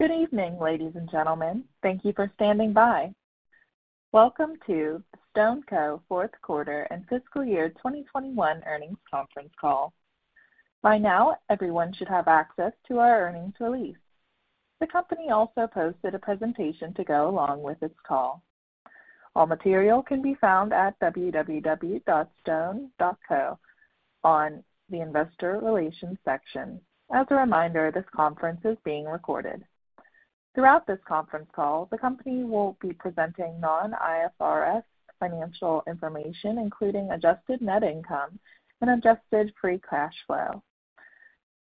Good evening, ladies and gentlemen. Thank you for standing by. Welcome to StoneCo Fourth Quarter and Fiscal Year 2021 Earnings Conference Call. By now, everyone should have access to our earnings release. The company also posted a presentation to go along with this call. All material can be found at www.stone.co on the investor relations section. As a reminder, this conference is being recorded. Throughout this conference call, the company will be presenting non-IFRS financial information, including adjusted net income and adjusted free cash flow.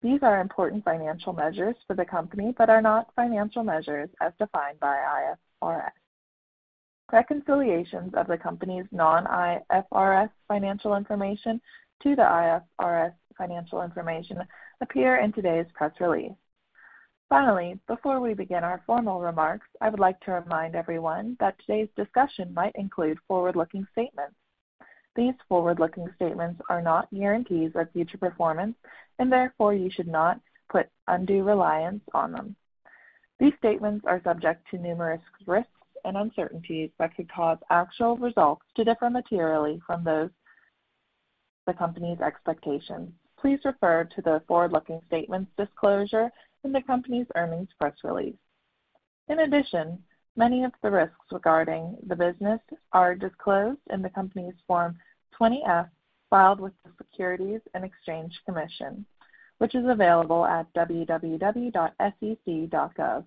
These are important financial measures for the company, but are not financial measures as defined by IFRS. Reconciliations of the company's non-IFRS financial information to the IFRS financial information appear in today's press release. Finally, before we begin our formal remarks, I would like to remind everyone that today's discussion might include forward-looking statements. These forward-looking statements are not guarantees of future performance, and therefore you should not put undue reliance on them. These statements are subject to numerous risks and uncertainties that could cause actual results to differ materially from those in the company's expectations. Please refer to the forward-looking statements disclosure in the company's earnings press release. In addition, many of the risks regarding the business are disclosed in the company's Form 20-F filed with the Securities and Exchange Commission, which is available at www.sec.gov.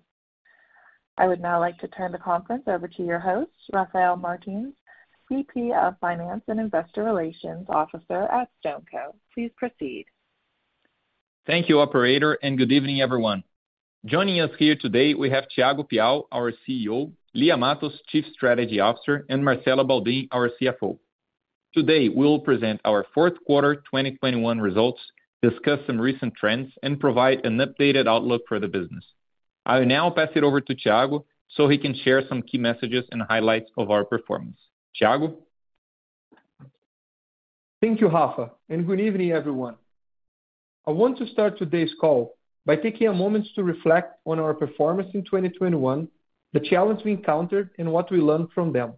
I would now like to turn the conference over to your host, Rafael Martins, VP of Finance and Investor Relations Officer at StoneCo. Please proceed. Thank you, operator, and good evening, everyone. Joining us here today we have Thiago Piau, our CEO, Lia Matos, Chief Strategy Officer, and Marcelo Baldin, our CFO. Today, we will present our fourth quarter 2021 results, discuss some recent trends, and provide an updated outlook for the business. I will now pass it over to Thiago so he can share some key messages and highlights of our performance. Thiago. Thank you, Rafa, and good evening, everyone. I want to start today's call by taking a moment to reflect on our performance in 2021, the challenge we encountered, and what we learned from them.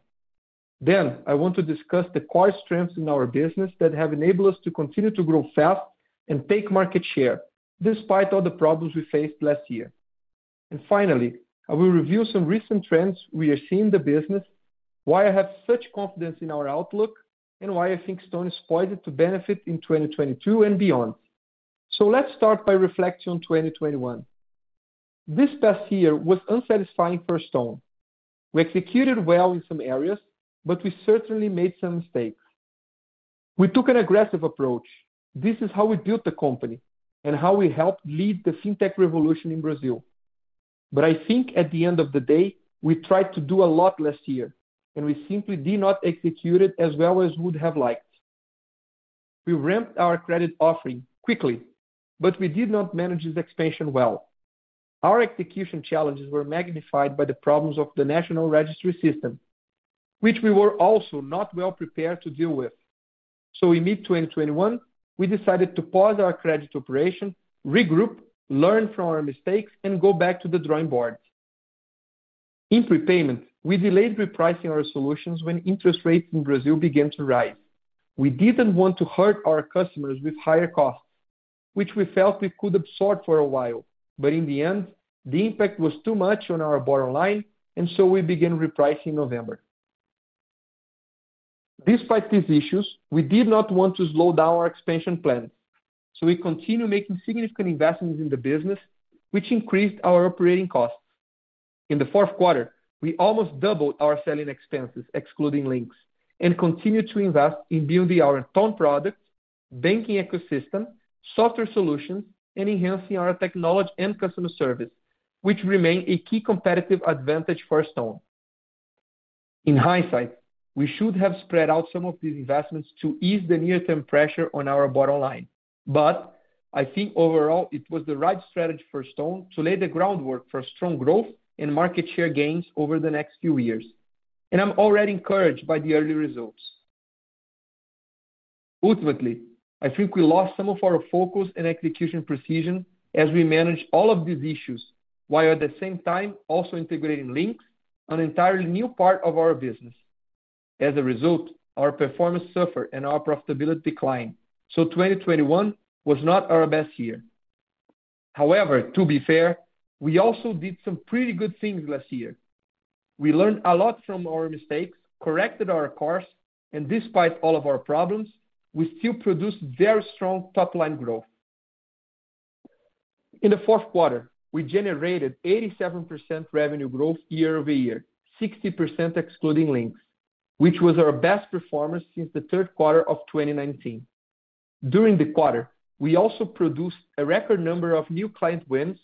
I want to discuss the core strengths in our business that have enabled us to continue to grow fast and take market share despite all the problems we faced last year. Finally, I will review some recent trends we are seeing in the business, why I have such confidence in our outlook, and why I think Stone is poised to benefit in 2022 and beyond. Let's start by reflecting on 2021. This past year was unsatisfying for Stone. We executed well in some areas, but we certainly made some mistakes. We took an aggressive approach. This is how we built the company and how we helped lead the fintech revolution in Brazil. I think at the end of the day, we tried to do a lot last year, and we simply did not execute it as well as we would have liked. We ramped our credit offering quickly, but we did not manage this expansion well. Our execution challenges were magnified by the problems of the national registry system, which we were also not well prepared to deal with. In mid 2021, we decided to pause our credit operation, regroup, learn from our mistakes, and go back to the drawing board. In prepayment, we delayed repricing our solutions when interest rates in Brazil began to rise. We didn't want to hurt our customers with higher costs, which we felt we could absorb for a while, but in the end, the impact was too much on our bottom line, and so we began repricing in November. Despite these issues, we did not want to slow down our expansion plans, so we continue making significant investments in the business, which increased our operating costs. In the fourth quarter, we almost doubled our selling expenses, excluding Linx, and continued to invest in building our Stone products, banking ecosystem, software solutions, and enhancing our technology and customer service, which remain a key competitive advantage for Stone. In hindsight, we should have spread out some of these investments to ease the near-term pressure on our bottom line. I think overall it was the right strategy for Stone to lay the groundwork for strong growth and market share gains over the next few years. I'm already encouraged by the early results. Ultimately, I think we lost some of our focus and execution precision as we manage all of these issues, while at the same time also integrating Linx, an entirely new part of our business. As a result, our performance suffered and our profitability declined. 2021 was not our best year. However, to be fair, we also did some pretty good things last year. We learned a lot from our mistakes, corrected our course, and despite all of our problems, we still produced very strong top-line growth. In the fourth quarter, we generated 87% revenue growth year-over-year, 60% excluding Linx, which was our best performance since the third quarter of 2019. During the quarter, we also produced a record number of new client wins,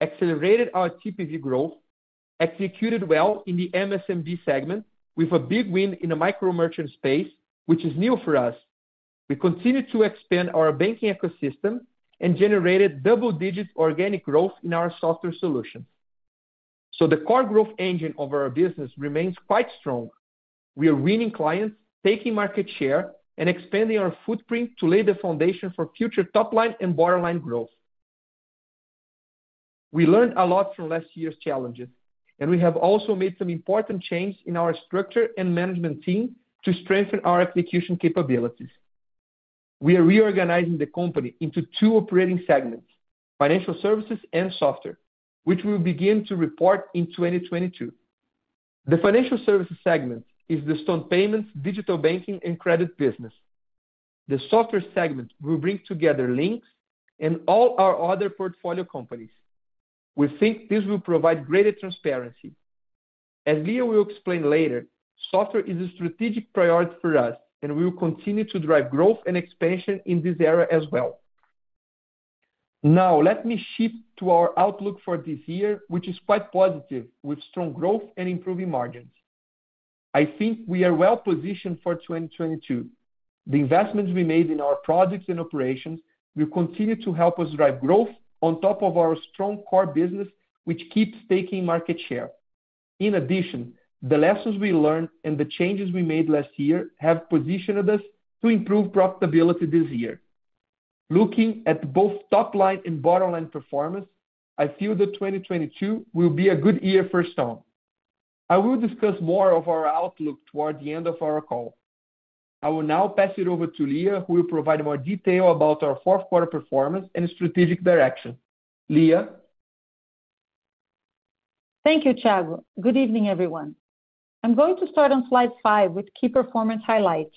accelerated our TPV growth, executed well in the MSMB segment with a big win in the micro merchant space, which is new for us. We continued to expand our banking ecosystem and generated double-digit organic growth in our software solution. The core growth engine of our business remains quite strong. We are winning clients, taking market share, and expanding our footprint to lay the foundation for future top line and bottom line growth. We learned a lot from last year's challenges, and we have also made some important changes in our structure and management team to strengthen our execution capabilities. We are reorganizing the company into two operating segments, financial services and software, which we'll begin to report in 2022. The financial services segment is the Stone payments, digital banking, and credit business. The software segment will bring together Linx and all our other portfolio companies. We think this will provide greater transparency. As Lia will explain later, software is a strategic priority for us, and we will continue to drive growth and expansion in this area as well. Now let me shift to our outlook for this year, which is quite positive with strong growth and improving margins. I think we are well positioned for 2022. The investments we made in our products and operations will continue to help us drive growth on top of our strong core business, which keeps taking market share. In addition, the lessons we learned and the changes we made last year have positioned us to improve profitability this year. Looking at both top line and bottom line performance, I feel that 2022 will be a good year for Stone. I will discuss more of our outlook toward the end of our call. I will now pass it over to Lia, who will provide more detail about our fourth quarter performance and strategic direction. Lia. Thank you, Thiago. Good evening, everyone. I'm going to start on slide five with key performance highlights.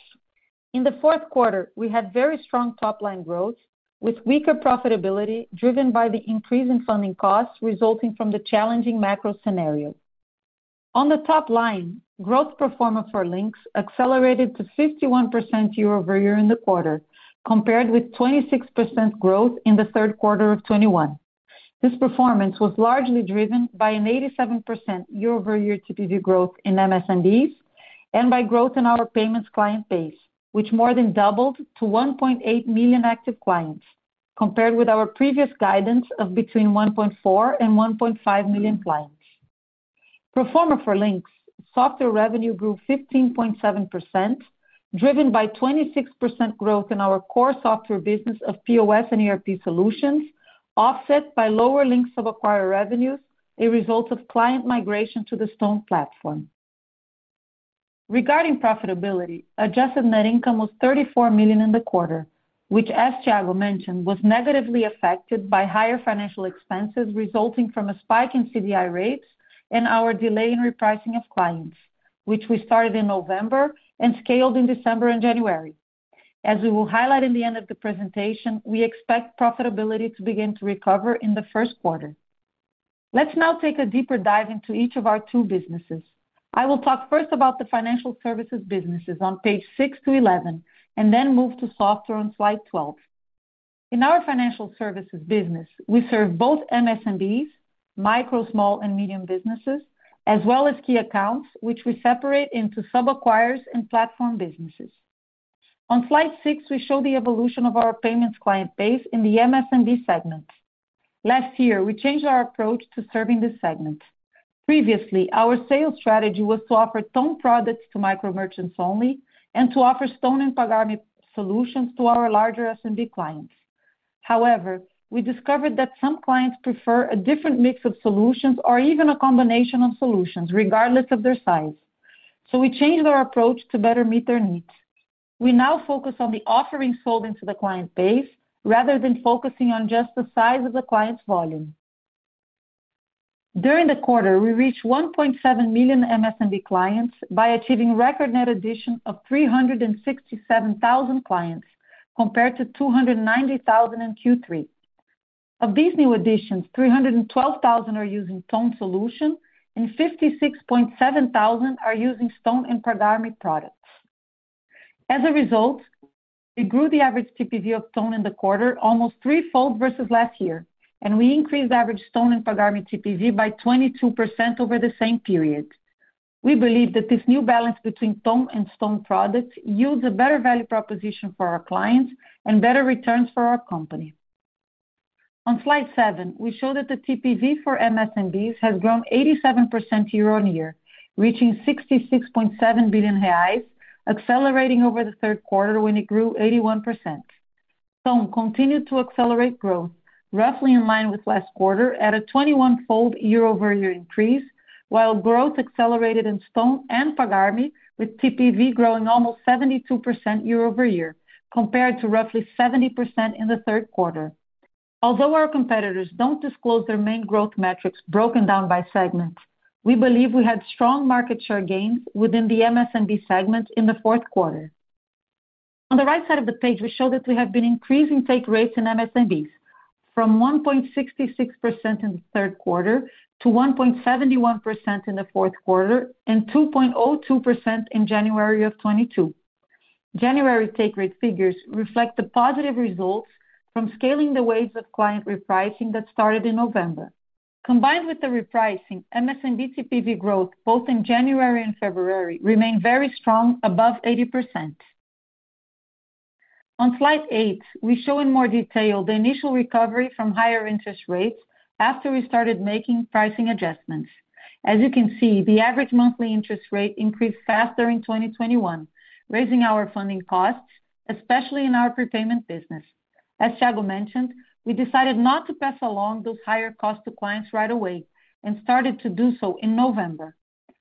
In the fourth quarter, we had very strong top line growth with weaker profitability, driven by the increase in funding costs resulting from the challenging macro scenario. On the top line, growth performance for Linx accelerated to 51% year-over-year in the quarter compared with 26% growth in the third quarter of 2021. This performance was largely driven by an 87% year-over-year TPV growth in MSMBs and by growth in our payments client base, which more than doubled to 1.8 million active clients compared with our previous guidance of between 1.4 and 1.5 million clients. Pro forma for Linx, software revenue grew 15.7%, driven by 26% growth in our core software business of POS and ERP solutions, offset by lower Linx sub-acquirer revenues, a result of client migration to the Stone platform. Regarding profitability, adjusted net income was 34 million in the quarter, which as Thiago mentioned, was negatively affected by higher financial expenses resulting from a spike in CDI rates and our delay in repricing of clients, which we started in November and scaled in December and January. As we will highlight in the end of the presentation, we expect profitability to begin to recover in the first quarter. Let's now take a deeper dive into each of our two businesses. I will talk first about the financial services businesses on pages six to 11 and then move to software on slide 12. In our financial services business, we serve both MSMBs, micro, small, and medium businesses, as well as key accounts, which we separate into sub-acquirers and platform businesses. On slide six, we show the evolution of our payments client base in the MSMB segment. Last year, we changed our approach to serving this segment. Previously, our sales strategy was to offer Stone products to micro merchants only and to offer Stone and Pagar.me solutions to our larger SMB clients. However, we discovered that some clients prefer a different mix of solutions or even a combination of solutions regardless of their size. We changed our approach to better meet their needs. We now focus on the offering sold into the client base rather than focusing on just the size of the client's volume. During the quarter, we reached 1.7 million MSMB clients by achieving record net addition of 367,000 clients compared to 290,000 in Q3. Of these new additions, 312,000 are using Stone solution and 56.7 thousand are using Stone and Pagar.me products. As a result, we grew the average TPV of Stone in the quarter almost threefold versus last year, and we increased average Stone and Pagar.me TPV by 22% over the same period. We believe that this new balance between Stone and Stone products yields a better value proposition for our clients and better returns for our company. On slide seven, we show that the TPV for MSMBs has grown 87% year-on-year, reaching 66.7 billion reais, accelerating over the third quarter when it grew 81%. Stone continued to accelerate growth, roughly in line with last quarter at a 21-fold year-over-year increase while growth accelerated in Stone and Pagar.me with TPV growing almost 72% year-over-year compared to roughly 70% in the third quarter. Although our competitors don't disclose their main growth metrics broken down by segment, we believe we had strong market share gains within the MSMB segment in the fourth quarter. On the right side of the page, we show that we have been increasing take rates in MSMBs from 1.66% in the third quarter to 1.71% in the fourth quarter and 2.02% in January 2022. January take rate figures reflect the positive results from scaling the waves of client repricing that started in November. Combined with the repricing, MSMB TPV growth both in January and February remained very strong above 80%. On slide eight, we show in more detail the initial recovery from higher interest rates after we started making pricing adjustments. As you can see, the average monthly interest rate increased faster in 2021, raising our funding costs, especially in our prepayment business. As Thiago mentioned, we decided not to pass along those higher costs to clients right away, and started to do so in November.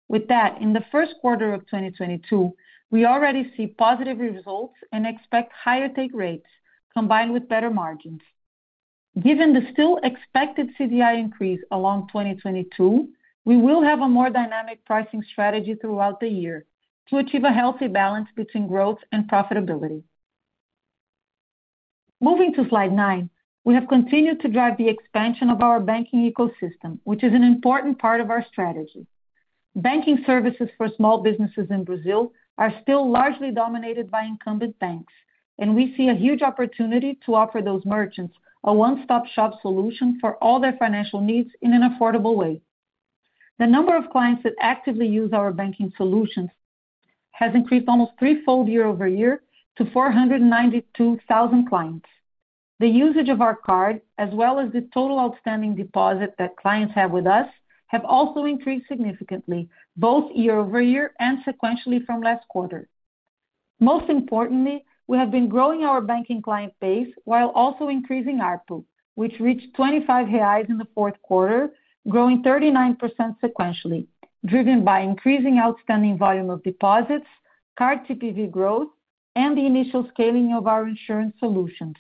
With that, in the first quarter of 2022, we already see positive results and expect higher take rates combined with better margins. Given the still expected CDI increase along 2022, we will have a more dynamic pricing strategy throughout the year to achieve a healthy balance between growth and profitability. Moving to slide nine, we have continued to drive the expansion of our banking ecosystem, which is an important part of our strategy. Banking services for small businesses in Brazil are still largely dominated by incumbent banks, and we see a huge opportunity to offer those merchants a one-stop shop solution for all their financial needs in an affordable way. The number of clients that actively use our banking solutions has increased almost threefold year-over-year to 492,000 clients. The usage of our card, as well as the total outstanding deposit that clients have with us, have also increased significantly, both year-over-year and sequentially from last quarter. Most importantly, we have been growing our banking client base while also increasing ARPU, which reached 25 reais in the fourth quarter, growing 39% sequentially, driven by increasing outstanding volume of deposits, card TPV growth, and the initial scaling of our insurance solutions.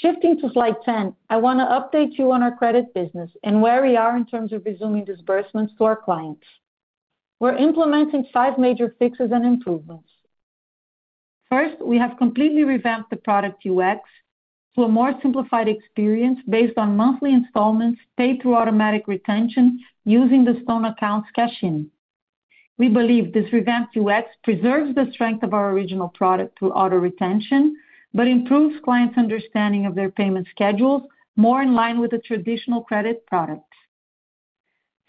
Shifting to slide 10, I wanna update you on our credit business and where we are in terms of resuming disbursements to our clients. We're implementing five major fixes and improvements. First, we have completely revamped the product UX for a more simplified experience based on monthly installments paid through automatic retention using the Stone account's cash in. We believe this revamped UX preserves the strength of our original product through auto-retention, but improves clients' understanding of their payment schedules more in line with the traditional credit products.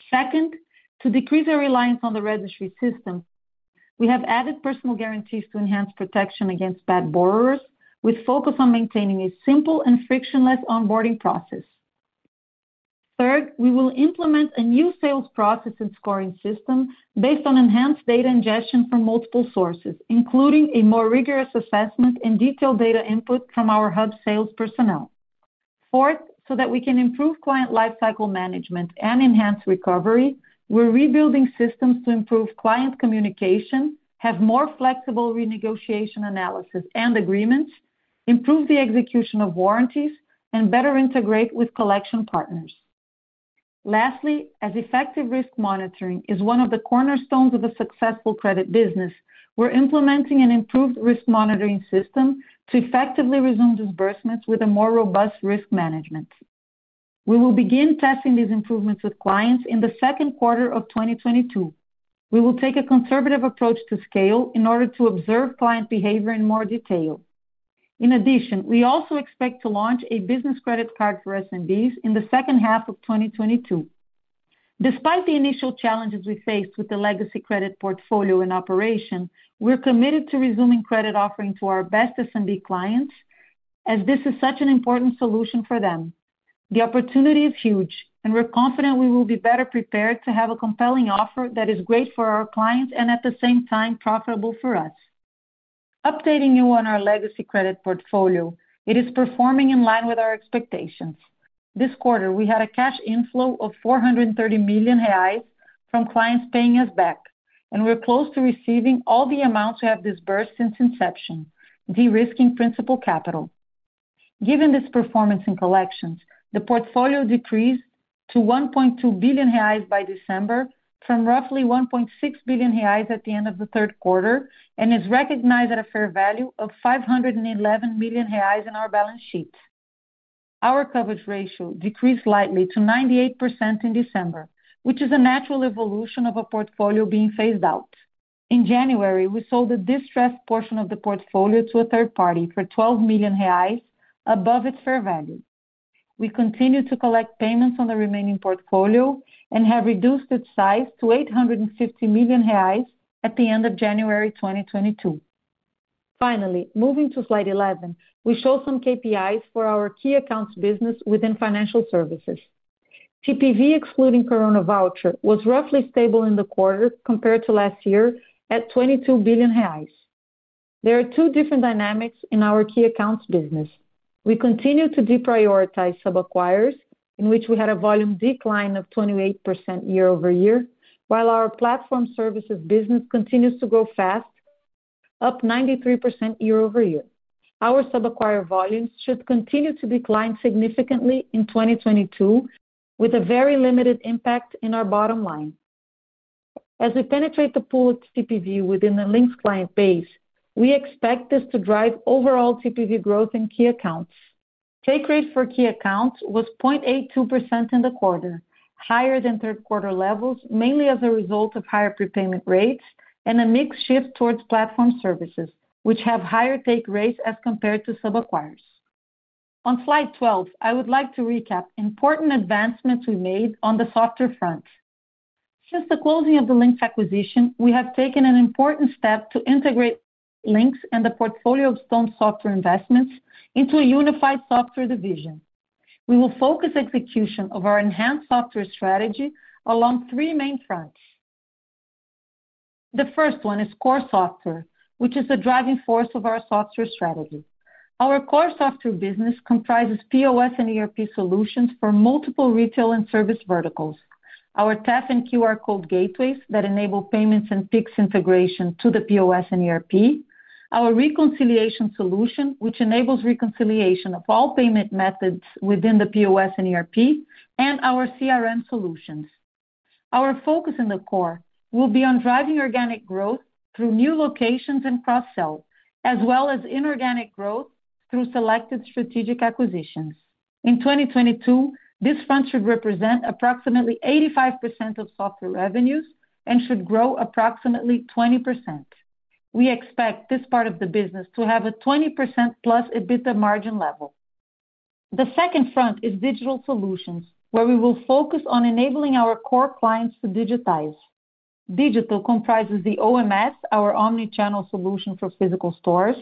Second, to decrease our reliance on the registry system, we have added personal guarantees to enhance protection against bad borrowers, with focus on maintaining a simple and frictionless onboarding process. Third, we will implement a new sales process and scoring system based on enhanced data ingestion from multiple sources, including a more rigorous assessment and detailed data input from our hub sales personnel. Fourth, so that we can improve client lifecycle management and enhance recovery, we're rebuilding systems to improve client communication, have more flexible renegotiation analysis and agreements, improve the execution of warranties, and better integrate with collection partners. Lastly, as effective risk monitoring is one of the cornerstones of a successful credit business, we're implementing an improved risk monitoring system to effectively resume disbursements with a more robust risk management. We will begin testing these improvements with clients in the second quarter of 2022. We will take a conservative approach to scale in order to observe client behavior in more detail. In addition, we also expect to launch a business credit card for SMBs in the second half of 2022. Despite the initial challenges we faced with the legacy credit portfolio and operation, we're committed to resuming credit offering to our best SMB clients, as this is such an important solution for them. The opportunity is huge, and we're confident we will be better prepared to have a compelling offer that is great for our clients and at the same time profitable for us. Updating you on our legacy credit portfolio, it is performing in line with our expectations. This quarter, we had a cash inflow of 430 million reais from clients paying us back, and we're close to receiving all the amounts we have disbursed since inception, de-risking principal capital. Given this performance in collections, the portfolio decreased to 1.2 billion reais by December from roughly 1.6 billion reais at the end of the third quarter, and is recognized at a fair value of 511 million reais in our balance sheet. Our coverage ratio decreased slightly to 98% in December, which is a natural evolution of a portfolio being phased out. In January, we sold a distressed portion of the portfolio to a third party for 12 million reais above its fair value. We continue to collect payments on the remaining portfolio and have reduced its size to 850 million reais at the end of January 2022. Finally, moving to slide 11, we show some KPIs for our key accounts business within financial services. TPV, excluding Coronavoucher, was roughly stable in the quarter compared to last year at 22 billion reais. There are two different dynamics in our key accounts business. We continue to deprioritize sub-acquirers, in which we had a volume decline of 28% year-over-year, while our platform services business continues to grow fast, up 93% year-over-year. Our sub-acquirer volumes should continue to decline significantly in 2022, with a very limited impact in our bottom line. As we penetrate the pool TPV within the Linx client base, we expect this to drive overall TPV growth in key accounts. Take rate for key accounts was 0.82% in the quarter, higher than third quarter levels, mainly as a result of higher prepayment rates and a mix shift towards platform services, which have higher take rates as compared to sub-acquirers. On slide 12, I would like to recap important advancements we made on the software front. Since the closing of the Linx acquisition, we have taken an important step to integrate Linx and the portfolio of Stone software investments into a unified software division. We will focus execution of our enhanced software strategy along three main fronts. The first one is core software, which is the driving force of our software strategy. Our core software business comprises POS and ERP solutions for multiple retail and service verticals. Our TEF and QR code gateways that enable payments and facilitates integration to the POS and ERP, our reconciliation solution, which enables reconciliation of all payment methods within the POS and ERP, and our CRM solutions. Our focus in the core will be on driving organic growth through new locations and cross-sell, as well as inorganic growth through selected strategic acquisitions. In 2022, this front should represent approximately 85% of software revenues and should grow approximately 20%. We expect this part of the business to have a 20%+ EBITDA margin level. The second front is digital solutions, where we will focus on enabling our core clients to digitize. Digital comprises the OMS, our omni-channel solution for physical stores,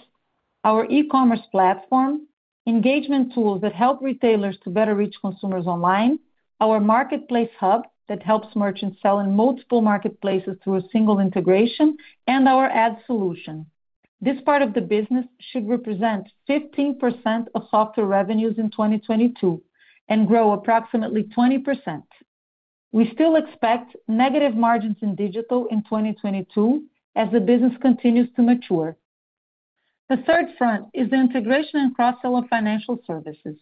our e-commerce platform, engagement tools that help retailers to better reach consumers online, our marketplace hub that helps merchants sell in multiple marketplaces through a single integration, and our ad solution. This part of the business should represent 15% of software revenues in 2022 and grow approximately 20%. We still expect negative margins in digital in 2022 as the business continues to mature. The third front is the integration and cross-sell of financial services.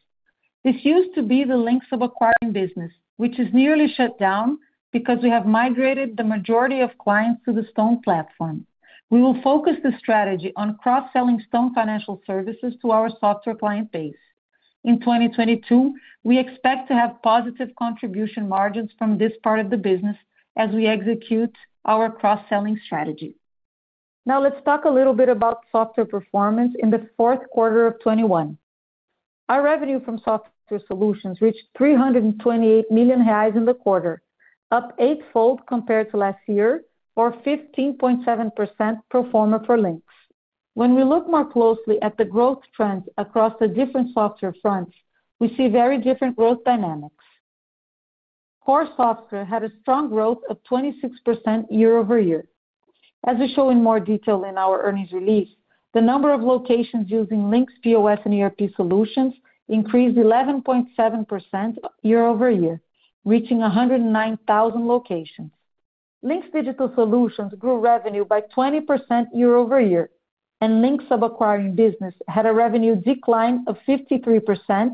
This used to be the Linx sub-acquiring business, which is nearly shut down because we have migrated the majority of clients to the Stone platform. We will focus the strategy on cross-selling Stone financial services to our software client base. In 2022, we expect to have positive contribution margins from this part of the business as we execute our cross-selling strategy. Now, let's talk a little bit about software performance in the fourth quarter of 2021. Our revenue from software solutions reached 328 million reais in the quarter, up eightfold compared to last year or 15.7% pro forma for Linx. When we look more closely at the growth trends across the different software fronts, we see very different growth dynamics. Core software had a strong growth of 26% year-over-year. As we show in more detail in our earnings release, the number of locations using Linx POS and ERP solutions increased 11.7% year-over-year, reaching 109,000 locations. Linx digital solutions grew revenue by 20% year-over-year, and Linx sub-acquiring business had a revenue decline of 53%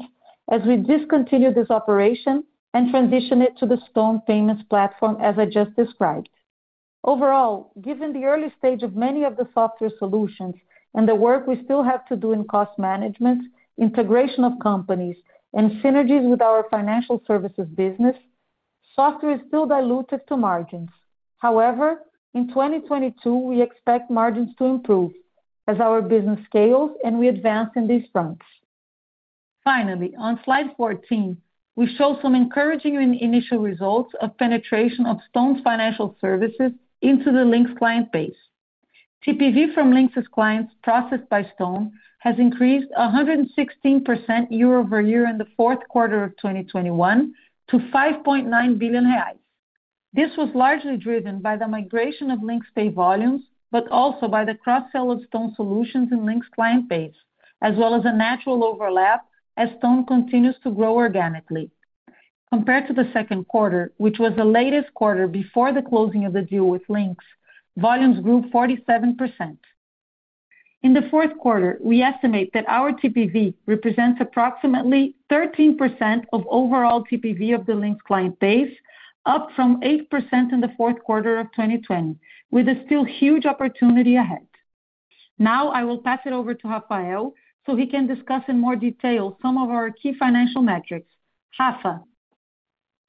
as we discontinued this operation and transition it to the Stone payments platform, as I just described. Overall, given the early stage of many of the software solutions and the work we still have to do in cost management, integration of companies, and synergies with our financial services business, software is still diluted to margins. However, in 2022, we expect margins to improve as our business scales and we advance in these fronts. Finally, on slide 14, we show some encouraging initial results of penetration of Stone's financial services into the Linx client base. TPV from Linx's clients processed by Stone has increased 116% year-over-year in the fourth quarter of 2021 to 5.9 billion reais. This was largely driven by the migration of Linx Pay volumes, but also by the cross-sell of Stone solutions in Linx client base, as well as a natural overlap as Stone continues to grow organically. Compared to the second quarter, which was the latest quarter before the closing of the deal with Linx, volumes grew 47%. In the fourth quarter, we estimate that our TPV represents approximately 13% of overall TPV of the Linx client base, up from 8% in the fourth quarter of 2020, with a still huge opportunity ahead. Now I will pass it over to Rafael so he can discuss in more detail some of our key financial metrics. Rafa?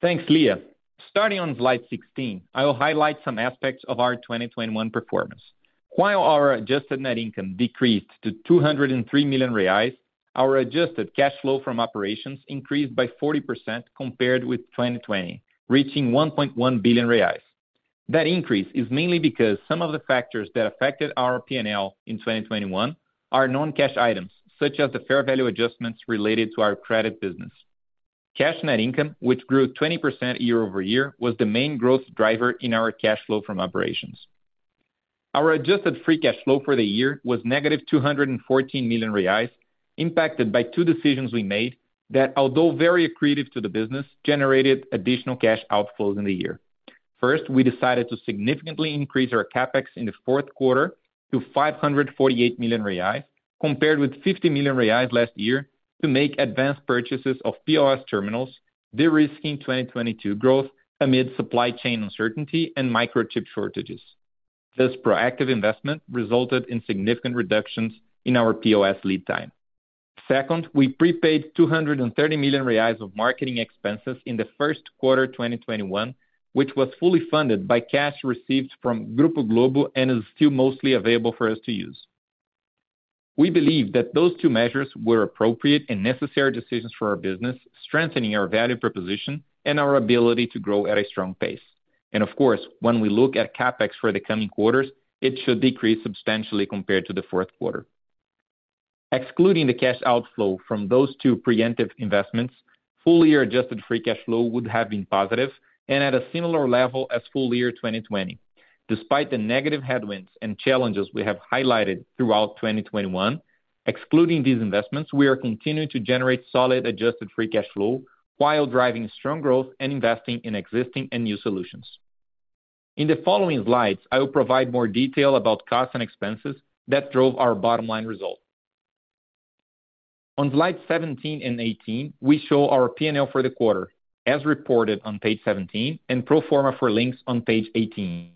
Thanks, Lia. Starting on slide 16, I will highlight some aspects of our 2021 performance. While our adjusted net income decreased to 203 million reais, our adjusted cash flow from operations increased by 40% compared with 2020, reaching 1.1 billion reais. That increase is mainly because some of the factors that affected our P&L in 2021 are non-cash items, such as the fair value adjustments related to our credit business. Cash net income, which grew 20% year-over-year, was the main growth driver in our cash flow from operations. Our adjusted free cash flow for the year was -214 million reais, impacted by two decisions we made that, although very accretive to the business, generated additional cash outflows in the year. First, we decided to significantly increase our CapEx in the fourth quarter to 548 million reais, compared with 50 million reais last year to make advanced purchases of POS terminals, de-risking 2022 growth amid supply chain uncertainty and microchip shortages. This proactive investment resulted in significant reductions in our POS lead time. Second, we prepaid 230 million reais of marketing expenses in the first quarter 2021, which was fully funded by cash received from Grupo Globo and is still mostly available for us to use. We believe that those two measures were appropriate and necessary decisions for our business, strengthening our value proposition and our ability to grow at a strong pace. Of course, when we look at CapEx for the coming quarters, it should decrease substantially compared to the fourth quarter. Excluding the cash outflow from those two preemptive investments, full year adjusted free cash flow would have been positive and at a similar level as full year 2020. Despite the negative headwinds and challenges we have highlighted throughout 2021, excluding these investments, we are continuing to generate solid adjusted free cash flow while driving strong growth and investing in existing and new solutions. In the following slides, I will provide more detail about costs and expenses that drove our bottom line results. On slide 17 and 18, we show our P&L for the quarter as reported on page 17, and pro forma for Linx on page 18.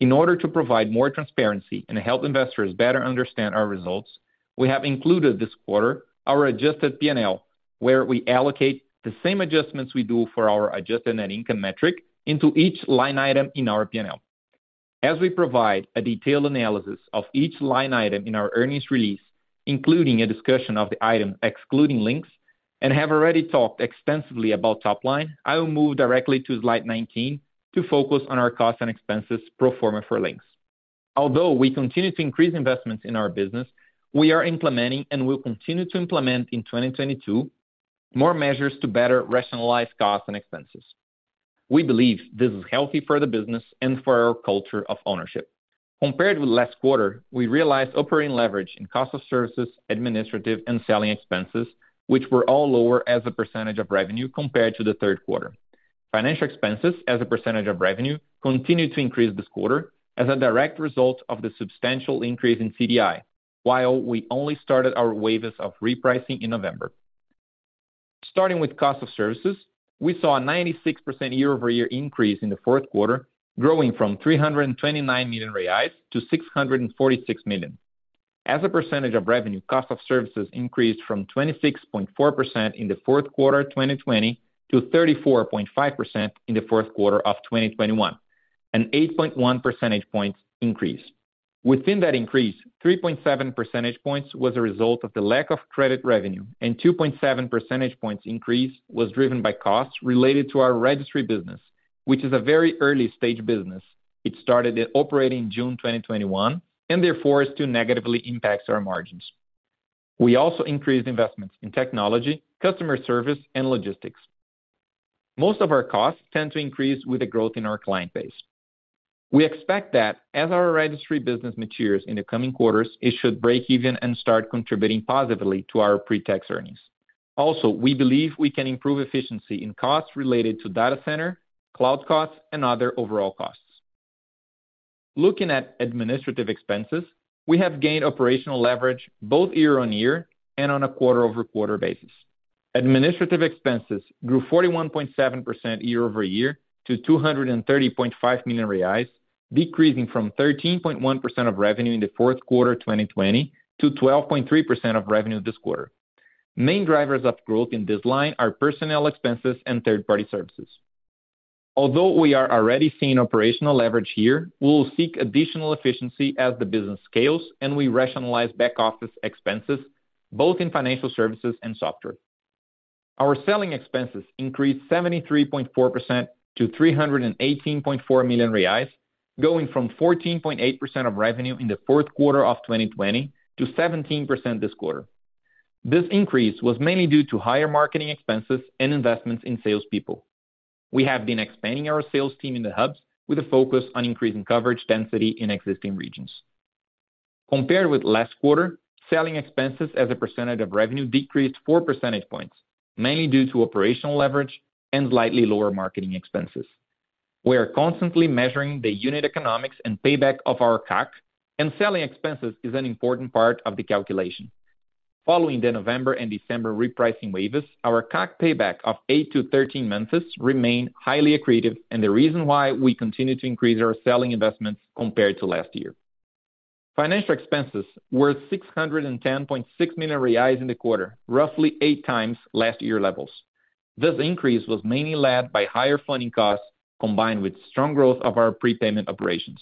In order to provide more transparency and help investors better understand our results, we have included this quarter our adjusted P&L, where we allocate the same adjustments we do for our adjusted net income metric into each line item in our P&L. As we provide a detailed analysis of each line item in our earnings release, including a discussion of the item excluding Linx, and have already talked extensively about top line, I will move directly to slide 19 to focus on our costs and expenses pro forma for Linx. Although we continue to increase investments in our business, we are implementing and will continue to implement in 2022 more measures to better rationalize costs and expenses. We believe this is healthy for the business and for our culture of ownership. Compared with last quarter, we realized operating leverage in cost of services, administrative, and selling expenses, which were all lower as a percentage of revenue compared to the third quarter. Financial expenses as a percentage of revenue continued to increase this quarter as a direct result of the substantial increase in CDI, while we only started our waivers of repricing in November. Starting with cost of services, we saw a 96% year-over-year increase in the fourth quarter, growing from 329 million-646 million reais. As a percentage of revenue, cost of services increased from 26.4% in the fourth quarter 2020 to 34.5% in the fourth quarter of 2021, an 8.1 percentage points increase. Within that increase, 3.7 percentage points was a result of the lack of credit revenue, and 2.7 percentage points increase was driven by costs related to our registry business, which is a very early stage business. It started operating June 2021, and therefore it negatively impacts our margins. We also increased investments in technology, customer service, and logistics. Most of our costs tend to increase with the growth in our client base. We expect that as our registry business matures in the coming quarters, it should break even and start contributing positively to our pre-tax earnings. We believe we can improve efficiency in costs related to data center, cloud costs, and other overall costs. Looking at administrative expenses, we have gained operational leverage both year-over-year and on a quarter-over-quarter basis. Administrative expenses grew 41.7% year-over-year to 230.5 million reais, decreasing from 13.1% of revenue in the fourth quarter 2020 to 12.3% of revenue this quarter. Main drivers of growth in this line are personnel expenses and third-party services. Although we are already seeing operational leverage here, we will seek additional efficiency as the business scales and we rationalize back-office expenses both in financial services and software. Our selling expenses increased 73.4% to 318.4 million reais, going from 14.8% of revenue in the fourth quarter of 2020 to 17% this quarter. This increase was mainly due to higher marketing expenses and investments in salespeople. We have been expanding our sales team in the hubs with a focus on increasing coverage density in existing regions. Compared with last quarter, selling expenses as a percentage of revenue decreased 4 percentage points, mainly due to operational leverage and slightly lower marketing expenses. We are constantly measuring the unit economics and payback of our CAC, and selling expenses is an important part of the calculation. Following the November and December repricing waivers, our CAC payback of eight to 13 months remain highly accretive and the reason why we continue to increase our selling investments compared to last year. Financial expenses were 610.6 million reais in the quarter, roughly eight times last year levels. This increase was mainly led by higher funding costs, combined with strong growth of our prepayment operations.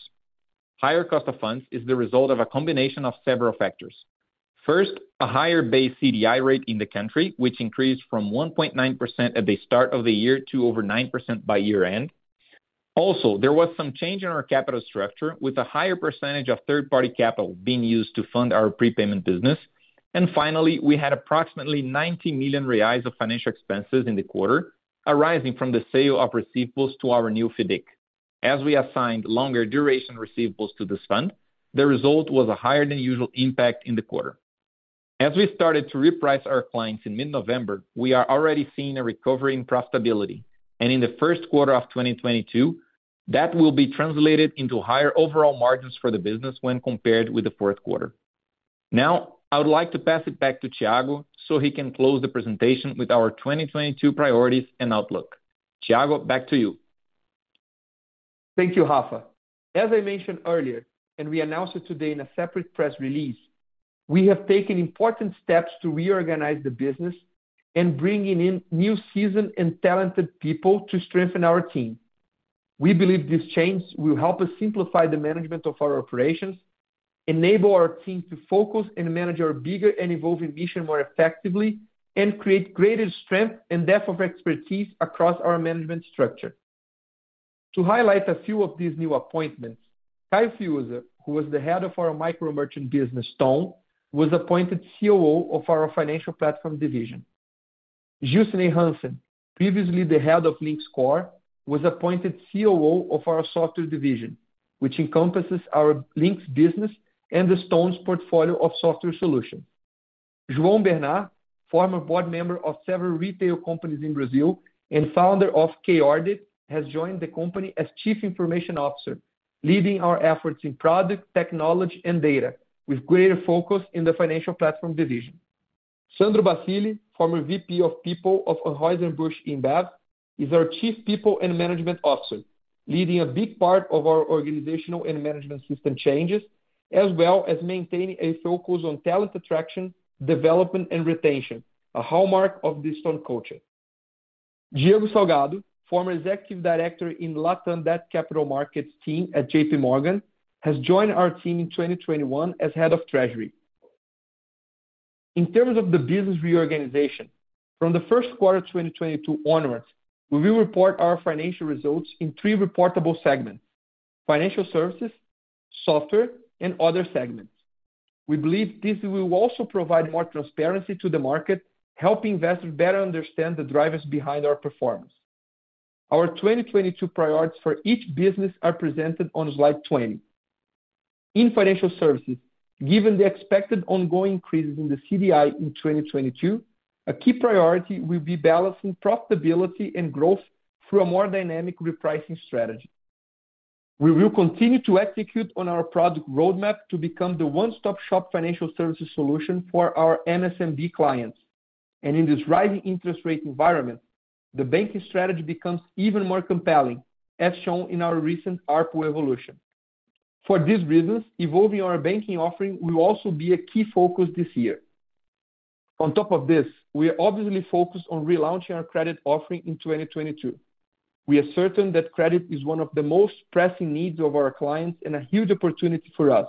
Higher cost of funds is the result of a combination of several factors. First, a higher base CDI rate in the country, which increased from 1.9% at the start of the year to over 9% by year-end. Also, there was some change in our capital structure with a higher percentage of third party capital being used to fund our prepayment business. Finally, we had approximately 90 million reais of financial expenses in the quarter arising from the sale of receivables to our new FIDC. As we assigned longer duration receivables to this fund, the result was a higher than usual impact in the quarter. As we started to reprice our clients in mid-November, we are already seeing a recovery in profitability. In the first quarter of 2022, that will be translated into higher overall margins for the business when compared with the fourth quarter. Now I would like to pass it back to Thiago so he can close the presentation with our 2022 priorities and outlook. Thiago, back to you. Thank you, Rafa. As I mentioned earlier, and we announced it today in a separate press release, we have taken important steps to reorganize the business and bringing in new seasoned and talented people to strengthen our team. We believe this change will help us simplify the management of our operations, enable our team to focus and manage our bigger and evolving mission more effectively, and create greater strength and depth of expertise across our management structure. To highlight a few of these new appointments, Caio Fiuza, who was the head of our micro merchant business, Stone, was appointed COO of our financial platform division. Gilsinei Hansen, previously the head of Linx Core, was appointed COO of our software division, which encompasses our Linx business and the Stone's portfolio of software solutions. João Bernartt, former board member of several retail companies in Brazil and founder of Conductor, has joined the company as Chief Information Officer, leading our efforts in product, technology and data with greater focus in the financial platform division. Sandro Bassili, former VP of People of Anheuser-Busch InBev, is our Chief People and Management Officer, leading a big part of our organizational and management system changes, as well as maintaining a focus on talent attraction, development and retention, a hallmark of the Stone culture. Diego Salgado, former Executive Director in Latam Debt Capital Markets team at JPMorgan, has joined our team in 2021 as Head of Treasury. In terms of the business reorganization, from the first quarter 2022 onwards, we will report our financial results in three reportable segments, Financial Services, Software, and Other Segments. We believe this will also provide more transparency to the market, helping investors better understand the drivers behind our performance. Our 2022 priorities for each business are presented on slide 20. In financial services, given the expected ongoing increases in the CDI in 2022, a key priority will be balancing profitability and growth through a more dynamic repricing strategy. We will continue to execute on our product roadmap to become the one-stop shop financial services solution for our MSMB clients. In this rising interest rate environment, the banking strategy becomes even more compelling, as shown in our recent ARPU evolution. For this business, evolving our banking offering will also be a key focus this year. On top of this, we are obviously focused on relaunching our credit offering in 2022. We are certain that credit is one of the most pressing needs of our clients and a huge opportunity for us.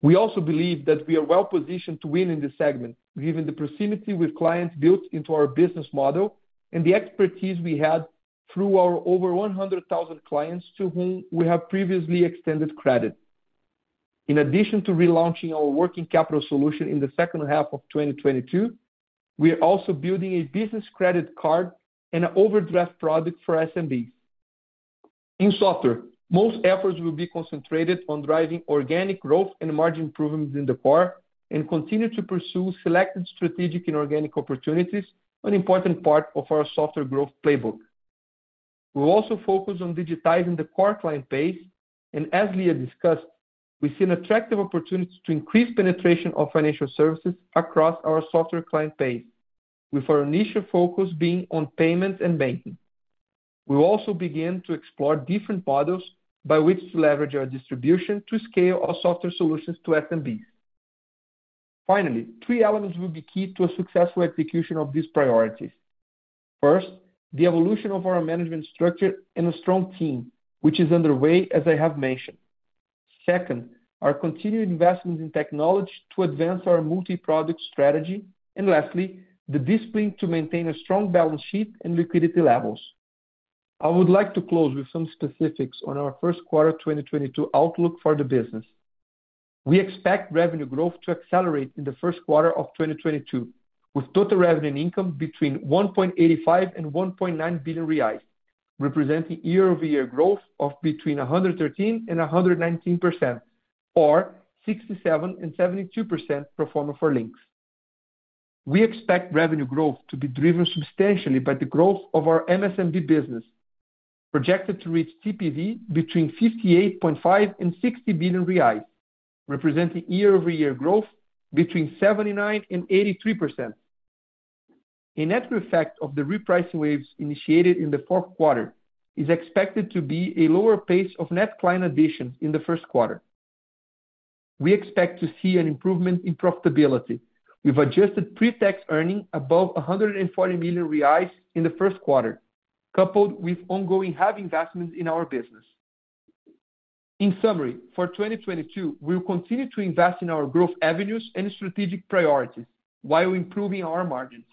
We also believe that we are well-positioned to win in this segment, given the proximity with clients built into our business model and the expertise we had through our over 100,000 clients to whom we have previously extended credit. In addition to relaunching our working capital solution in the second half of 2022, we are also building a business credit card and an overdraft product for SMBs. In software, most efforts will be concentrated on driving organic growth and margin improvements in the core and continue to pursue selected strategic inorganic opportunities, an important part of our software growth playbook. We'll also focus on digitizing the core client base, and as Lia discussed, we see an attractive opportunity to increase penetration of financial services across our software client base, with our initial focus being on payments and banking. We'll also begin to explore different models by which to leverage our distribution to scale our software solutions to SMBs. Finally, three elements will be key to a successful execution of these priorities. First, the evolution of our management structure and a strong team, which is underway, as I have mentioned. Second, our continued investments in technology to advance our multi-product strategy. Lastly, the discipline to maintain a strong balance sheet and liquidity levels. I would like to close with some specifics on our first quarter 2022 outlook for the business. We expect revenue growth to accelerate in the first quarter of 2022, with total revenue income between 1.85 billion and 1.9 billion reais, representing year-over-year growth of between 113% and 119%, or 67% and 72% pro forma for Linx. We expect revenue growth to be driven substantially by the growth of our MSMB business, projected to reach TPV between 58.5 billion and 60 billion reais, representing year-over-year growth between 79% and 83%. A net effect of the repricing waves initiated in the fourth quarter is expected to be a lower pace of net client additions in the first quarter. We expect to see an improvement in profitability with adjusted pre-tax earnings above 140 million reais in the first quarter, coupled with ongoing heavy investments in our business. In summary, for 2022, we'll continue to invest in our growth avenues and strategic priorities while improving our margins.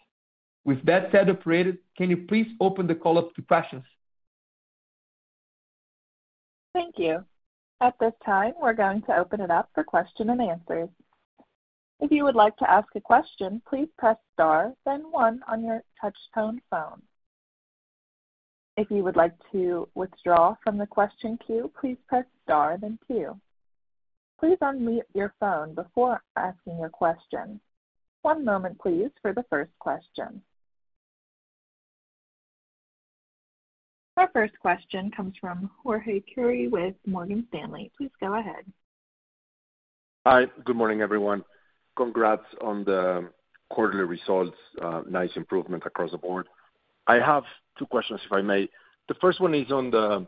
With that said, operator, can you please open the call up to questions? Thank you. At this time, we're going to open it up for question and answers. If you would like to ask a question, please press star then one on your touch-tone phone. If you would like to withdraw from the question queue, please press star then two. Please unmute your phone before asking your question. One moment please for the first question. Our first question comes from Jorge Kuri with Morgan Stanley. Please go ahead. Hi. Good morning, everyone. Congrats on the quarterly results. Nice improvement across the board. I have two questions, if I may. The first one is on the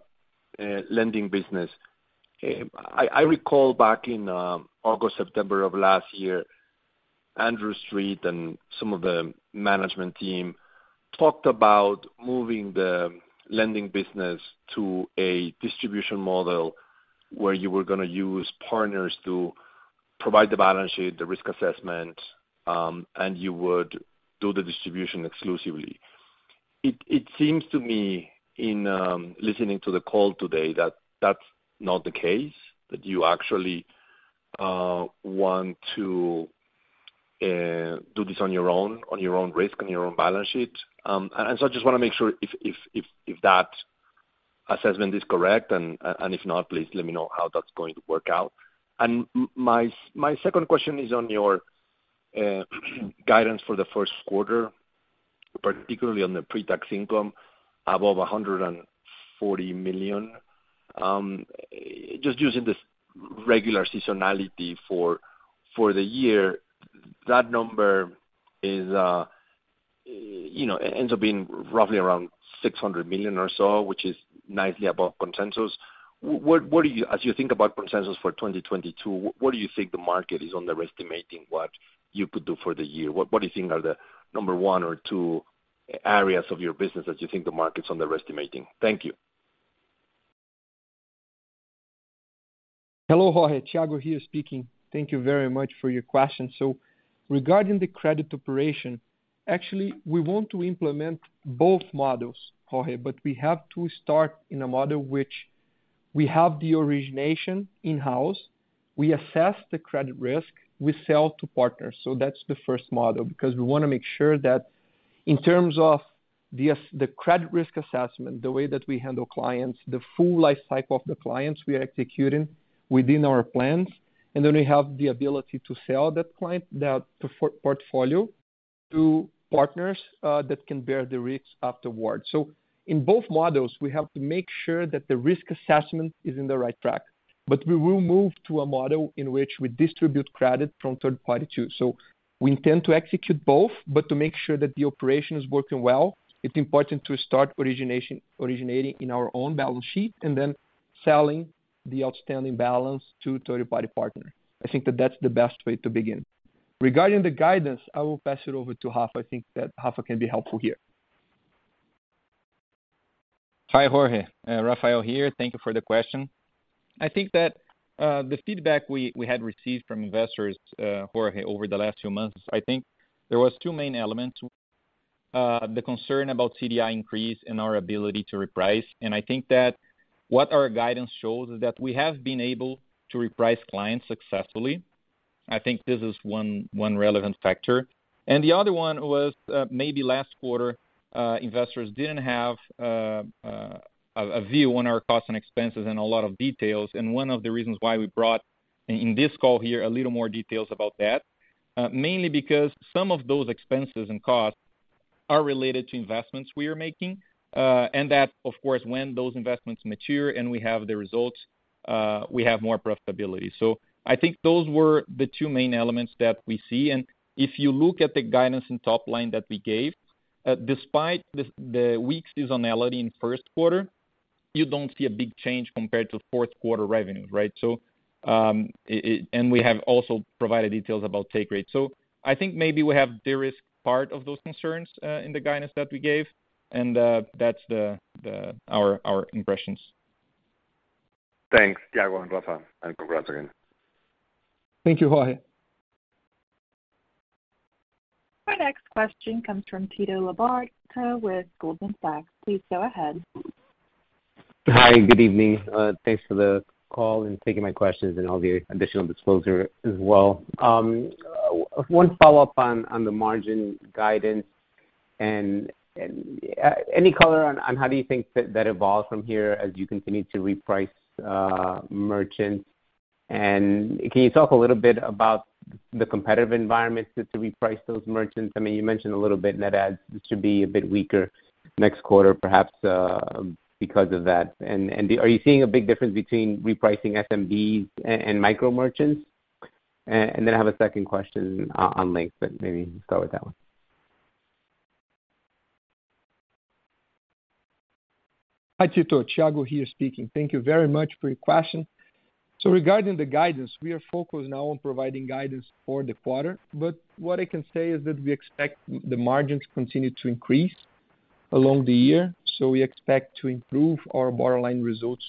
lending business. I recall back in August, September of last year André Street and some of the management team talked about moving the lending business to a distribution model where you were gonna use partners to provide the balance sheet, the risk assessment, and you would do the distribution exclusively. It seems to me in listening to the call today that that's not the case, that you actually want to do this on your own, on your own risk, on your own balance sheet. I just wanna make sure if that assessment is correct? If not, please let me know how that's going to work out. My second question is on your guidance for the first quarter, particularly on the pre-tax income above 140 million. Just using the regular seasonality for the year, that number is, you know, ends up being roughly around $600 million or so, which is nicely above consensus. As you think about consensus for 2022, what do you think the market is underestimating what you could do for the year? What do you think are the number one or two areas of your business that you think the market's underestimating? Thank you. Hello, Jorge. Thiago here speaking. Thank you very much for your question. Regarding the credit operation, actually, we want to implement both models, Jorge, but we have to start in a model which we have the origination in-house. We assess the credit risk. We sell to partners. That's the first model because we wanna make sure that in terms of the credit risk assessment, the way that we handle clients, the full life cycle of the clients we are executing within our plans, and then we have the ability to sell that client, that portfolio to partners that can bear the risks afterwards. In both models, we have to make sure that the risk assessment is on the right track. We will move to a model in which we distribute credit from third party too. We intend to execute both, but to make sure that the operation is working well, it's important to start origination, originating in our own balance sheet and then selling the outstanding balance to third-party partner. I think that that's the best way to begin. Regarding the guidance, I will pass it over to Rafa. I think that Rafa can be helpful here. Hi, Jorge. Rafael here. Thank you for the question. I think that, the feedback we had received from investors, Jorge, over the last few months, I think there was two main elements. The concern about CDI increase and our ability to reprice, and I think that what our guidance shows is that we have been able to reprice clients successfully. I think this is one relevant factor. The other one was, maybe last quarter, investors didn't have, a view on our costs and expenses and a lot of details. One of the reasons why we brought in this call here a little more details about that, mainly because some of those expenses and costs are related to investments we are making, and that of course, when those investments mature and we have the results, we have more profitability. I think those were the two main elements that we see. If you look at the guidance and top line that we gave, despite the weak seasonality in first quarter, you don't see a big change compared to fourth quarter revenues, right? We have also provided details about take rate. I think maybe we have de-risked part of those concerns, in the guidance that we gave, and that's our impressions. Thanks, Thiago and Rafa, and congrats again. Thank you, Jorge. Our next question comes from Tito Labarta with Goldman Sachs. Please go ahead. Hi. Good evening. Thanks for the call and taking my questions and all the additional disclosure as well. One follow-up on the margin guidance and any color on how do you think that evolves from here as you continue to reprice merchants? Can you talk a little bit about the competitive environment to reprice those merchants? I mean, you mentioned a little bit net adds should be a bit weaker next quarter, perhaps, because of that. Are you seeing a big difference between repricing SMBs and micro merchants? Then I have a second question on Linx, but maybe start with that one. Hi, Tito. Thiago here speaking. Thank you very much for your question. Regarding the guidance, we are focused now on providing guidance for the quarter, but what I can say is that we expect the margins to continue to increase along the year. We expect to improve our bottom line results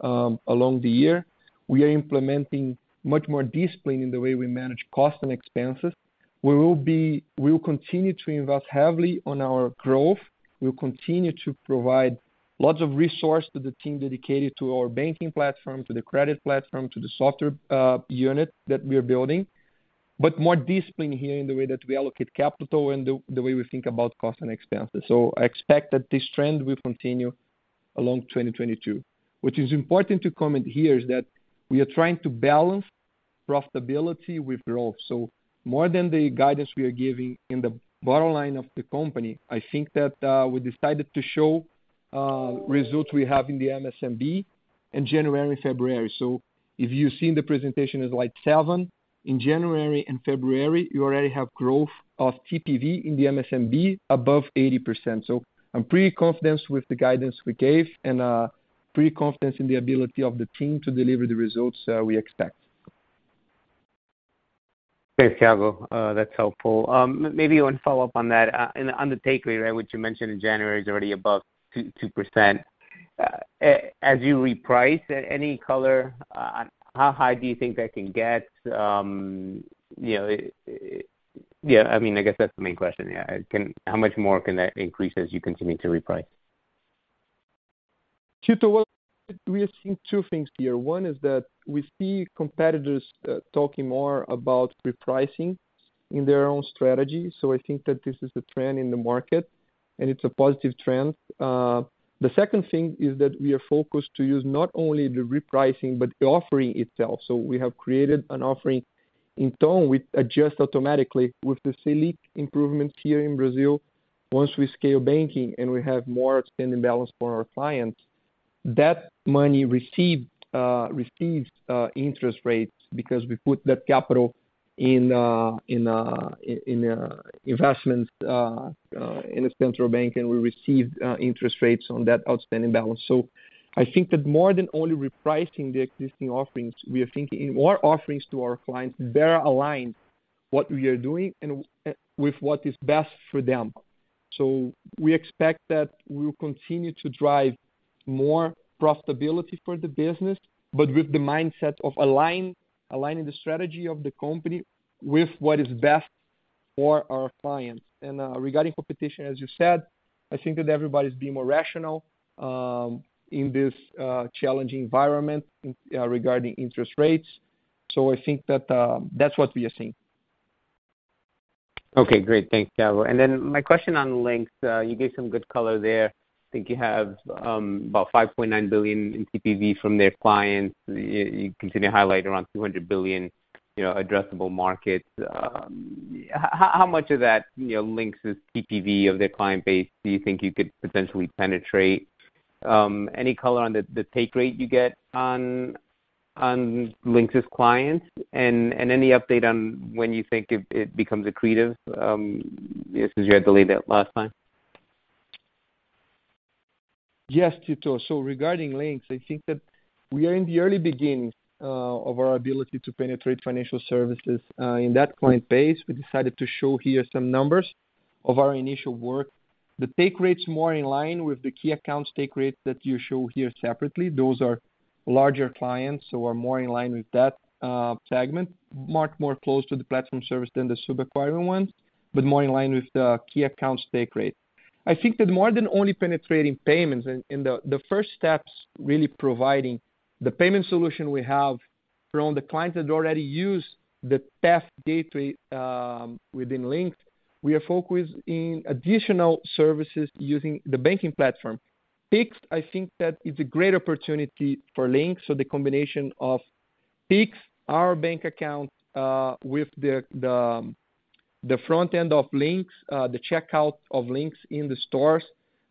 along the year. We are implementing much more discipline in the way we manage costs and expenses. We will continue to invest heavily on our growth. We'll continue to provide lots of resource to the team dedicated to our banking platform, to the credit platform, to the software unit that we are building, but more discipline here in the way that we allocate capital and the way we think about cost and expenses. I expect that this trend will continue along 2022. What is important to comment here is that we are trying to balance profitability with growth. More than the guidance we are giving in the bottom line of the company, I think that we decided to show results we have in the MSMB in January and February. If you've seen the presentation in slide seven, in January and February, you already have growth of TPV in the MSMB above 80%. I'm pretty confident with the guidance we gave and pretty confident in the ability of the team to deliver the results we expect. Okay, Thiago. That's helpful. Maybe one follow-up on that. On the take rate, right, which you mentioned in January is already above 2%. As you reprice, any color on how high do you think that can get? You know. Yeah, I mean, I guess that's the main question. Yeah. How much more can that increase as you continue to reprice? Tito, well, we are seeing two things here. One is that we see competitors talking more about repricing in their own strategy. I think that this is the trend in the market, and it's a positive trend. The second thing is that we are focused to use not only the repricing but the offering itself. We have created an offering in Ton with adjust automatically with the Selic improvements here in Brazil. Once we scale banking and we have more outstanding balance for our clients, that money received receives interest rates because we put that capital in investments in the central bank, and we receive interest rates on that outstanding balance. I think that more than only repricing the existing offerings, we are thinking in more offerings to our clients, better align what we are doing and with what is best for them. We expect that we'll continue to drive more profitability for the business, but with the mindset of aligning the strategy of the company with what is best for our clients. Regarding competition, as you said, I think that everybody's being more rational in this challenging environment regarding interest rates. I think that that's what we are seeing. Okay, great. Thanks, Thiago. My question on Linx. You gave some good color there. I think you have about 5.9 billion in TPV from their clients. You continue to highlight around 200 billion, you know, addressable markets. How much of that, you know, Linx's TPV of their client base do you think you could potentially penetrate? Any color on the take rate you get on Linx's clients? And any update on when you think it becomes accretive, since you had delayed that last time? Yes, Tito. Regarding Linx, I think that we are in the early beginnings of our ability to penetrate financial services in that client base. We decided to show here some numbers of our initial work. The take rate's more in line with the key accounts take rate that you show here separately. Those are larger clients, so are more in line with that segment, much more close to the platform service than the subacquiring one, but more in line with the key accounts take rate. I think that more than only penetrating payments and the first steps really providing the payment solution we have from the clients that already use the TEF data within Linx, we are focused in additional services using the banking platform. PIX, I think that it's a great opportunity for Linx, so the combination of PIX, our bank account, with the front end of Linx, the checkout of Linx in the stores.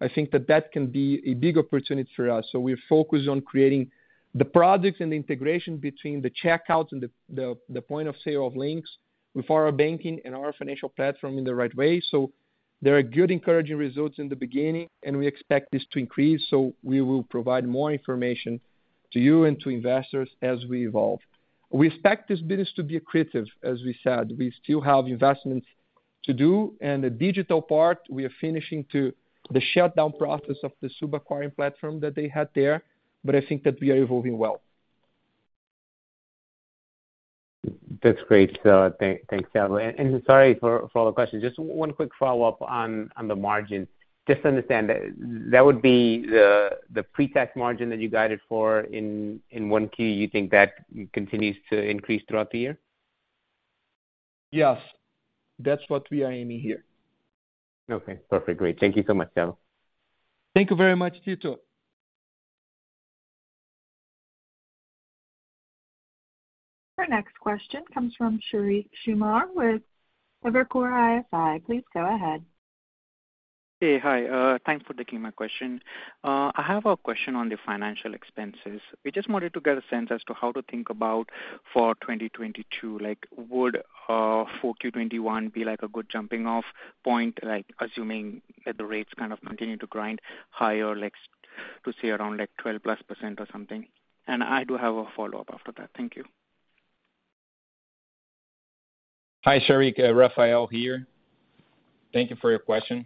I think that can be a big opportunity for us. We're focused on creating the products and the integration between the checkouts and the point of sale of Linx with our banking and our financial platform in the right way. There are good encouraging results in the beginning, and we expect this to increase, so we will provide more information to you and to investors as we evolve. We expect this business to be accretive, as we said. We still have investments to do. The digital part, we are finishing the shutdown process of the sub-acquiring platform that they had there, but I think that we are evolving well. That's great. Thanks, Thiago. Sorry for all the questions. Just one quick follow-up on the margins. Just to understand, that would be the pre-tax margin that you guided for in 1Q. You think that continues to increase throughout the year? Yes. That's what we are aiming here. Okay. Perfect. Great. Thank you so much, Thiago. Thank you very much, Tito. Our next question comes from Sheriq Sumar with Evercore ISI. Please go ahead. Hey. Hi. Thanks for taking my question. I have a question on the financial expenses. We just wanted to get a sense as to how to think about for 2022. Like, would 4Q 2021 be, like, a good jumping-off point? Like, assuming that the rates kind of continue to grind higher, like, to say around like 12%+ or something. I do have a follow-up after that. Thank you. Hi, Sheriq. Rafael here. Thank you for your question.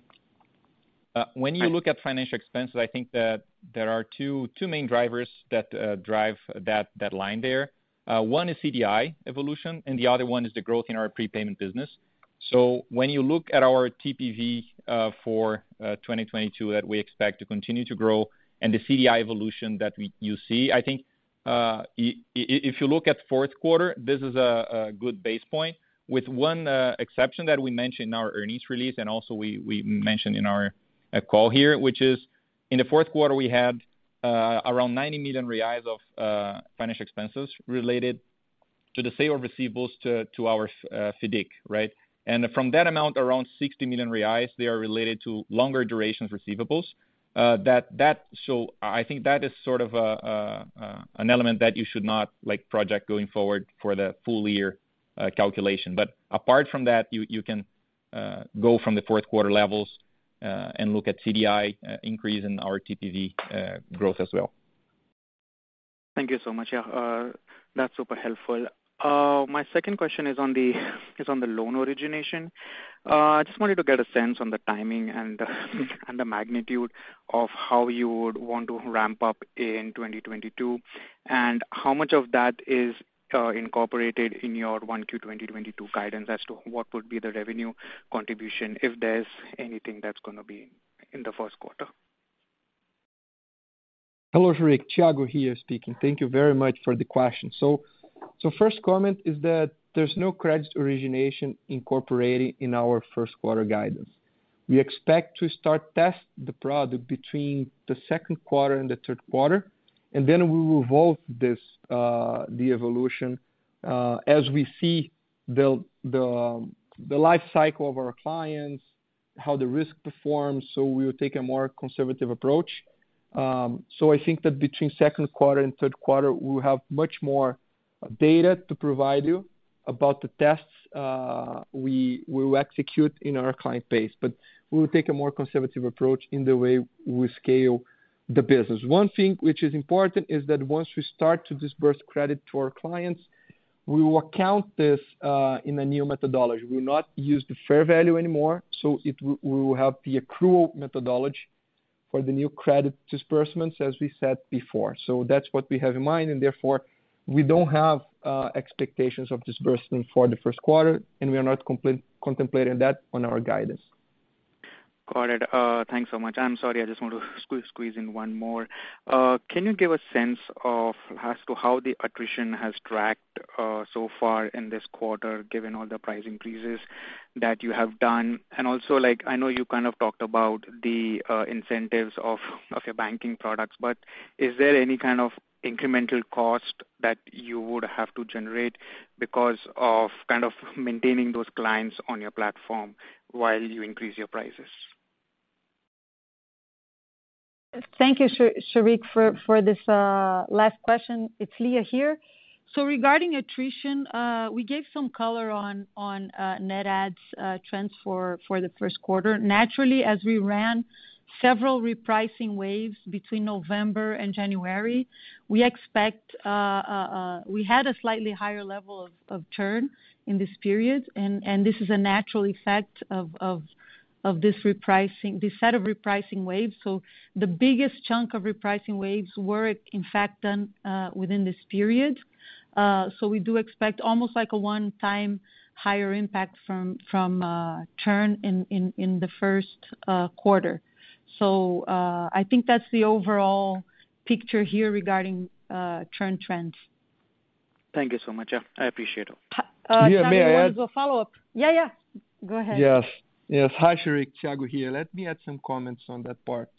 When you look at financial expenses, I think that there are two main drivers that drive that line there. One is CDI evolution, and the other one is the growth in our prepayment business. When you look at our TPV for 2022 that we expect to continue to grow and the CDI evolution, I think if you look at fourth quarter, this is a good base point with one exception that we mentioned in our earnings release and also we mentioned in our call here, which is in the fourth quarter, we had around 90 million reais of financial expenses related to the sale of receivables to our FIDC, right? From that amount, around 60 million reais, they are related to longer durations receivables. I think that is sort of an element that you should not, like, project going forward for the full year calculation. Apart from that, you can go from the fourth quarter levels and look at CDI increase in our TPV growth as well. Thank you so much. Yeah. That's super helpful. My second question is on the loan origination. Just wanted to get a sense on the timing and the magnitude of how you would want to ramp up in 2022? And how much of that is incorporated in your 1Q 2022 guidance as to what would be the revenue contribution if there's anything that's gonna be in the first quarter? Hello, Sheriq. Thiago here speaking. Thank you very much for the question. First comment is that there's no credit origination incorporated in our first quarter guidance. We expect to start test the product between the second quarter and the third quarter, and then we will evolve this, the evolution, as we see the life cycle of our clients, how the risk performs, so we will take a more conservative approach. I think that between second quarter and third quarter, we'll have much more data to provide you about the tests, we will execute in our client base. We will take a more conservative approach in the way we scale the business. One thing which is important is that once we start to disburse credit to our clients, we will account this, in a new methodology. We'll not use the fair value anymore, so we will have the accrual methodology for the new credit disbursements, as we said before. That's what we have in mind, and therefore we don't have expectations of disbursement for the first quarter, and we are not contemplating that on our guidance. Got it. Thanks so much. I'm sorry, I just want to squeeze in one more. Can you give a sense as to how the attrition has tracked so far in this quarter, given all the price increases that you have done? Also, like I know you kind of talked about the incentives of your banking products, but is there any kind of incremental cost that you would have to generate because of kind of maintaining those clients on your platform while you increase your prices? Thank you, Sheriq, for this last question. It's Lia here. Regarding attrition, we gave some color on net adds trends for the first quarter. Naturally, as we ran several repricing waves between November and January, we had a slightly higher level of churn in this period and this is a natural effect of this repricing, this set of repricing waves. The biggest chunk of repricing waves were in fact done within this period. We do expect almost like a one-time higher impact from churn in the first quarter. I think that's the overall picture here regarding churn trends. Thank you so much. Yeah, I appreciate it. Thiago, you want to do a follow-up? Yeah, may I add. Yeah, yeah. Go ahead. Yes. Hi, Sheriq, Thiago here. Let me add some comments on that part.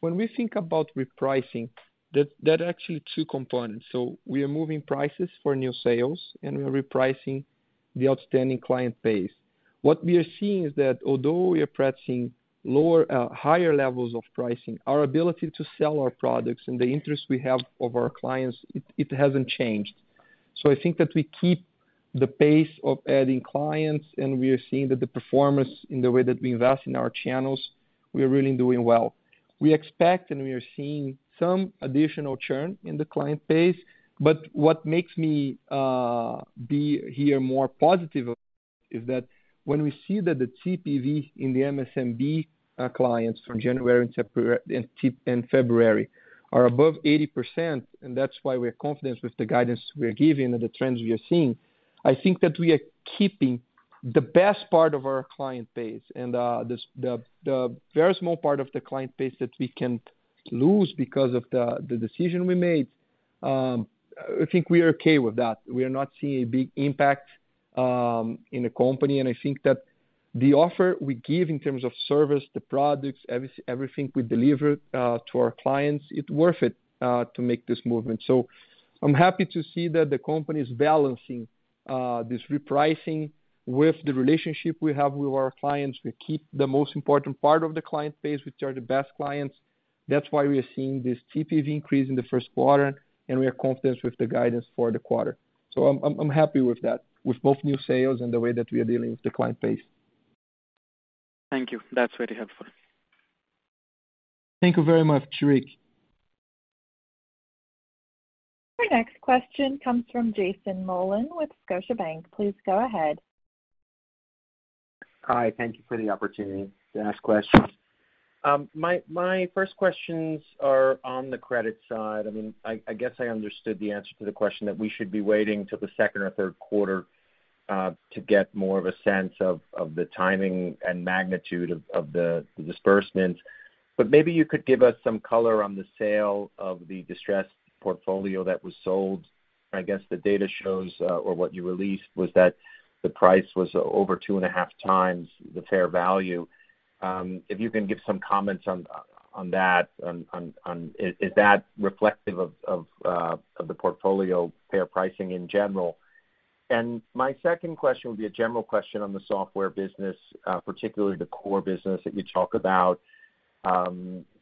When we think about repricing, there are actually two components. We are moving prices for new sales, and we are repricing the outstanding client base. What we are seeing is that although we are pricing lower, higher levels of pricing, our ability to sell our products and the interest we have of our clients, it hasn't changed. I think that we keep the pace of adding clients, and we are seeing that the performance in the way that we invest in our channels, we are really doing well. We expect and we are seeing some additional churn in the client base. What makes me be here more positive is that when we see that the TPV in the MSMB clients from January and September and then February are above 80%, and that's why we're confident with the guidance we are giving and the trends we are seeing, I think that we are keeping the best part of our client base and the very small part of the client base that we can lose because of the decision we made, I think we are okay with that. We are not seeing a big impact in the company, and I think that the offer we give in terms of service, the products, everything we deliver to our clients, it's worth it to make this movement. I'm happy to see that the company's balancing this repricing with the relationship we have with our clients. We keep the most important part of the client base, which are the best clients. That's why we are seeing this TPV increase in the first quarter, and we are confident with the guidance for the quarter. I'm happy with that, with both new sales and the way that we are dealing with the client base. Thank you. That's very helpful. Thank you very much, Sheriq. Our next question comes from Jason Mollin with Scotiabank. Please go ahead. Hi, thank you for the opportunity to ask questions. My first questions are on the credit side. I guess I understood the answer to the question that we should be waiting till the second or third quarter to get more of a sense of the timing and magnitude of the disbursements. Maybe you could give us some color on the sale of the distressed portfolio that was sold. I guess the data shows or what you released was that the price was over two and a half times the fair value. If you can give some comments on that, is that reflective of the portfolio fair pricing in general? My second question would be a general question on the software business, particularly the core business that you talk about.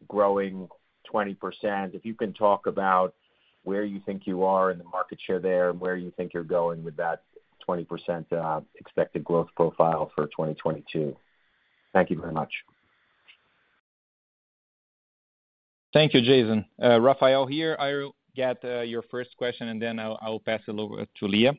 Growing 20%. If you can talk about where you think you are in the market share there and where you think you're going with that 20%, expected growth profile for 2022? Thank you very much. Thank you, Jason. Rafael here. I will get your first question, and then I'll pass it over to Lia.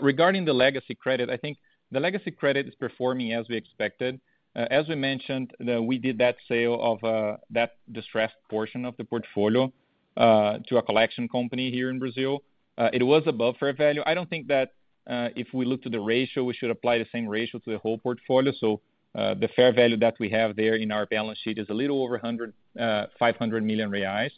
Regarding the legacy credit, I think the legacy credit is performing as we expected. As we mentioned, we did that sale of that distressed portion of the portfolio to a collection company here in Brazil. It was above fair value. I don't think that if we look to the ratio, we should apply the same ratio to the whole portfolio. The fair value that we have there in our balance sheet is a little over 105 million reais.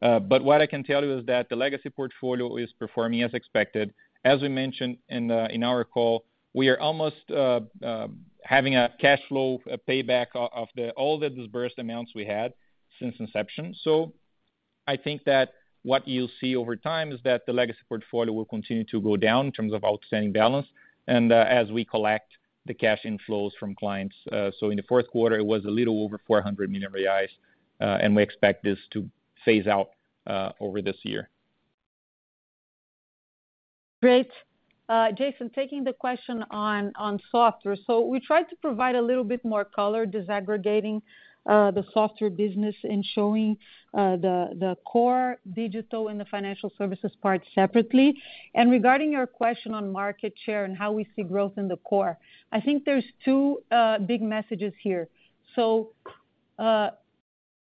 But what I can tell you is that the legacy portfolio is performing as expected. As we mentioned in our call, we are almost having a cash flow payback of all the disbursed amounts we had since inception. I think that what you'll see over time is that the legacy portfolio will continue to go down in terms of outstanding balance and as we collect the cash inflows from clients. In the fourth quarter, it was a little over 400 million reais, and we expect this to phase out over this year. Great. Jason, taking the question on software. We tried to provide a little bit more color disaggregating the software business and showing the core digital and the financial services part separately. Regarding your question on market share and how we see growth in the core, I think there's two big messages here.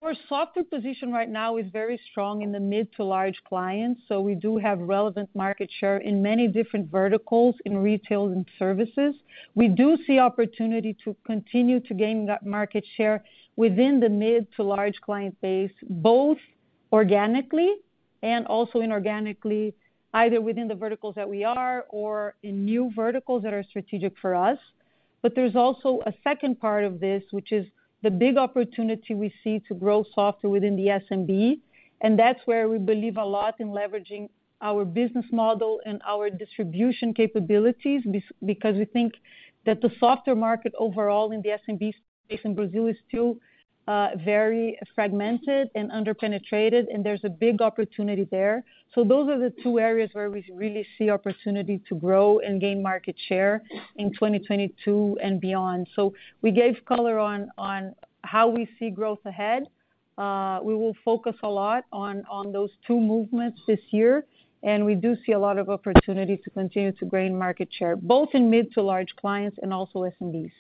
Our software position right now is very strong in the mid to large clients. We do have relevant market share in many different verticals, in retail and services. We do see opportunity to continue to gain that market share within the mid to large client base, both organically and also inorganically, either within the verticals that we are or in new verticals that are strategic for us. There's also a second part of this, which is the big opportunity we see to grow software within the SMB. That's where we believe a lot in leveraging our business model and our distribution capabilities, because we think that the software market overall in the SMB space in Brazil is still, very fragmented and under-penetrated, and there's a big opportunity there. Those are the two areas where we really see opportunity to grow and gain market share in 2022 and beyond. We gave color on how we see growth ahead. We will focus a lot on those two movements this year, and we do see a lot of opportunity to continue to gain market share, both in mid to large clients and also SMBs. Thank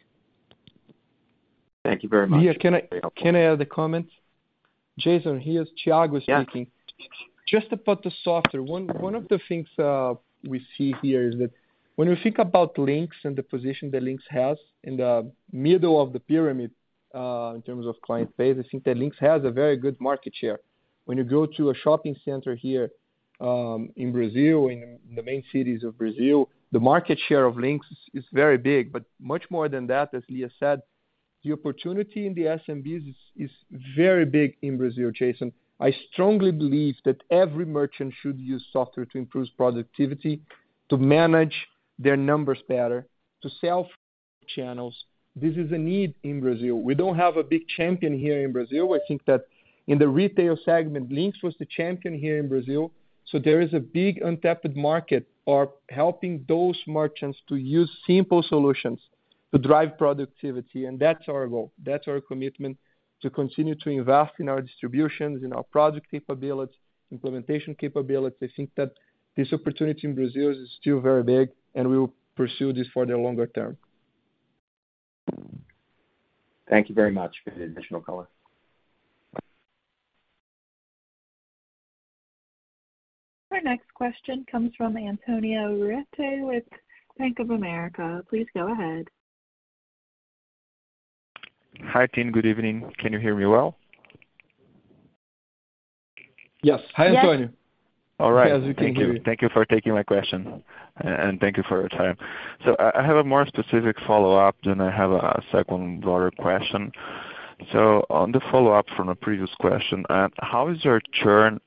you very much. Lia, can I Very helpful. Can I add a comment? Jason, here's Thiago speaking. Yeah. Just about the software. One of the things we see here is that when we think about Linx and the position that Linx has in the middle of the pyramid, in terms of client base, I think that Linx has a very good market share. When you go to a shopping center here in Brazil, in the main cities of Brazil, the market share of Linx is very big. But much more than that, as Lia said, the opportunity in the SMBs is very big in Brazil, Jason. I strongly believe that every merchant should use software to improve productivity, to manage their numbers better, to sell channels. This is a need in Brazil. We don't have a big champion here in Brazil. I think that in the retail segment, Linx was the champion here in Brazil. There is a big untapped market for helping those merchants to use simple solutions to drive productivity, and that's our goal. That's our commitment to continue to invest in our distributions, in our product capability, implementation capability. I think that this opportunity in Brazil is still very big, and we will pursue this for the longer term. Thank you very much for the additional color. Our next question comes from Antonio Ruette with Bank of America. Please go ahead. Hi, team. Good evening. Can you hear me well? Yes. Hi, Antonio. Yes. All right. Thank you. Thank you for taking my question, and thank you for your time. I have a more specific follow-up, then I have a second broader question. On the follow-up from a previous question, how is your churn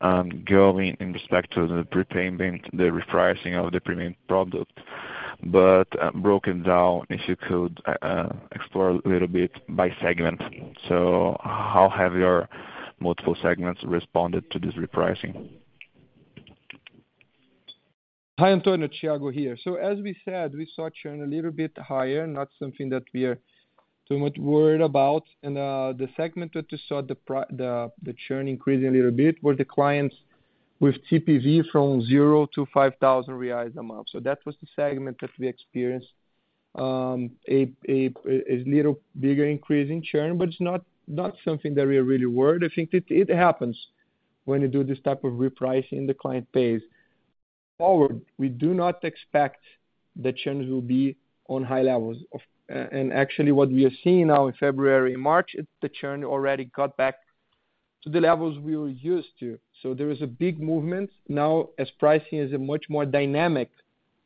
going in respect to the prepayment, the repricing of the premium product, but broken down, if you could, explore a little bit by segment? How have your multiple segments responded to this repricing? Hi, Antonio. Thiago here. As we said, we saw churn a little bit higher, not something that we're too much worried about. The segment that you saw the churn increase a little bit were the clients with TPV from 0-5,000 reais a month. That was the segment that we experienced a little bigger increase in churn, but it's not something that we are really worried. I think it happens when you do this type of repricing the client pays. Going forward, we do not expect the churns will be on high levels. Actually what we are seeing now in February and March is the churn already got back to the levels we were used to. There is a big movement now as pricing is a much more dynamic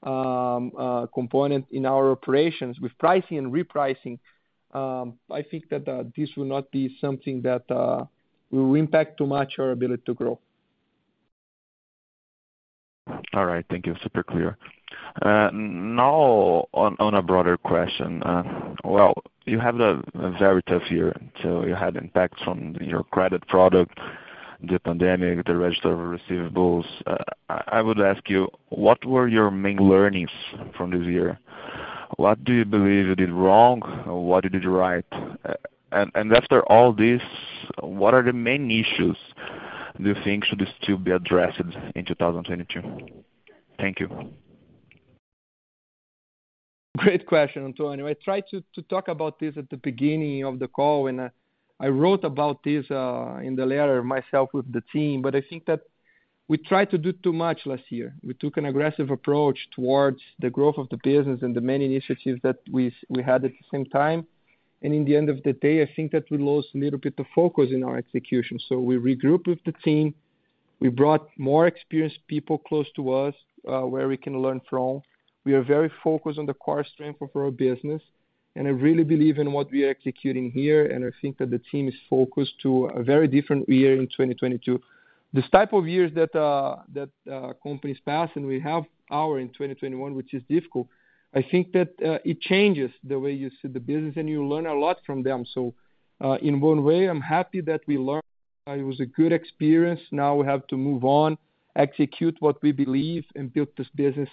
component in our operations. With pricing and repricing, I think that this will not be something that will impact too much our ability to grow. All right. Thank you. Super clear. Now on a broader question. Well, you have a very tough year, so you had impacts from your credit product, the pandemic, the registered receivables. I would ask you, what were your main learnings from this year? What do you believe you did wrong? What did you do right? After all this, what are the main issues do you think should still be addressed in 2022? Thank you. Great question, Antonio. I tried to talk about this at the beginning of the call, and I wrote about this in the letter myself with the team. I think that we tried to do too much last year. We took an aggressive approach towards the growth of the business and the many initiatives that we had at the same time. At the end of the day, I think that we lost a little bit of focus in our execution. We regrouped with the team. We brought more experienced people close to us, where we can learn from. We are very focused on the core strength of our business, and I really believe in what we are executing here, and I think that the team is focused to a very different year in 2022. These types of years that companies pass and we had ours in 2021, which is difficult. I think that it changes the way you see the business and you learn a lot from them. In one way, I'm happy that we learned. It was a good experience. Now we have to move on, execute what we believe and build this business,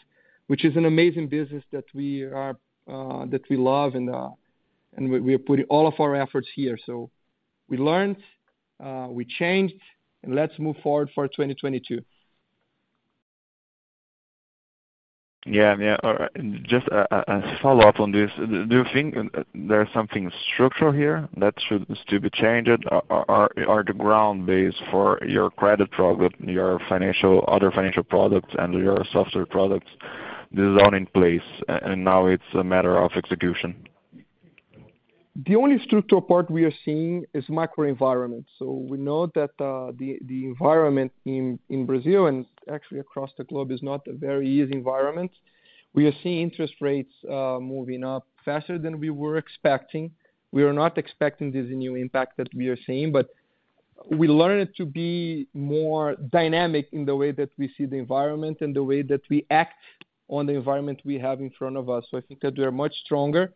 which is an amazing business that we love, and we are putting all of our efforts here. We learned, we changed, and let's move forward for 2022. Yeah. All right. Just a follow-up on this. Do you think there's something structural here that should still be changed? Or the ground base for your credit product, your financial other financial products and your software products, this is all in place and now it's a matter of execution. The only structural part we are seeing is macro environment. We know that the environment in Brazil and actually across the globe is not a very easy environment. We are seeing interest rates moving up faster than we were expecting. We are not expecting this new impact that we are seeing, but we learned to be more dynamic in the way that we see the environment and the way that we act on the environment we have in front of us. I think that we are much stronger.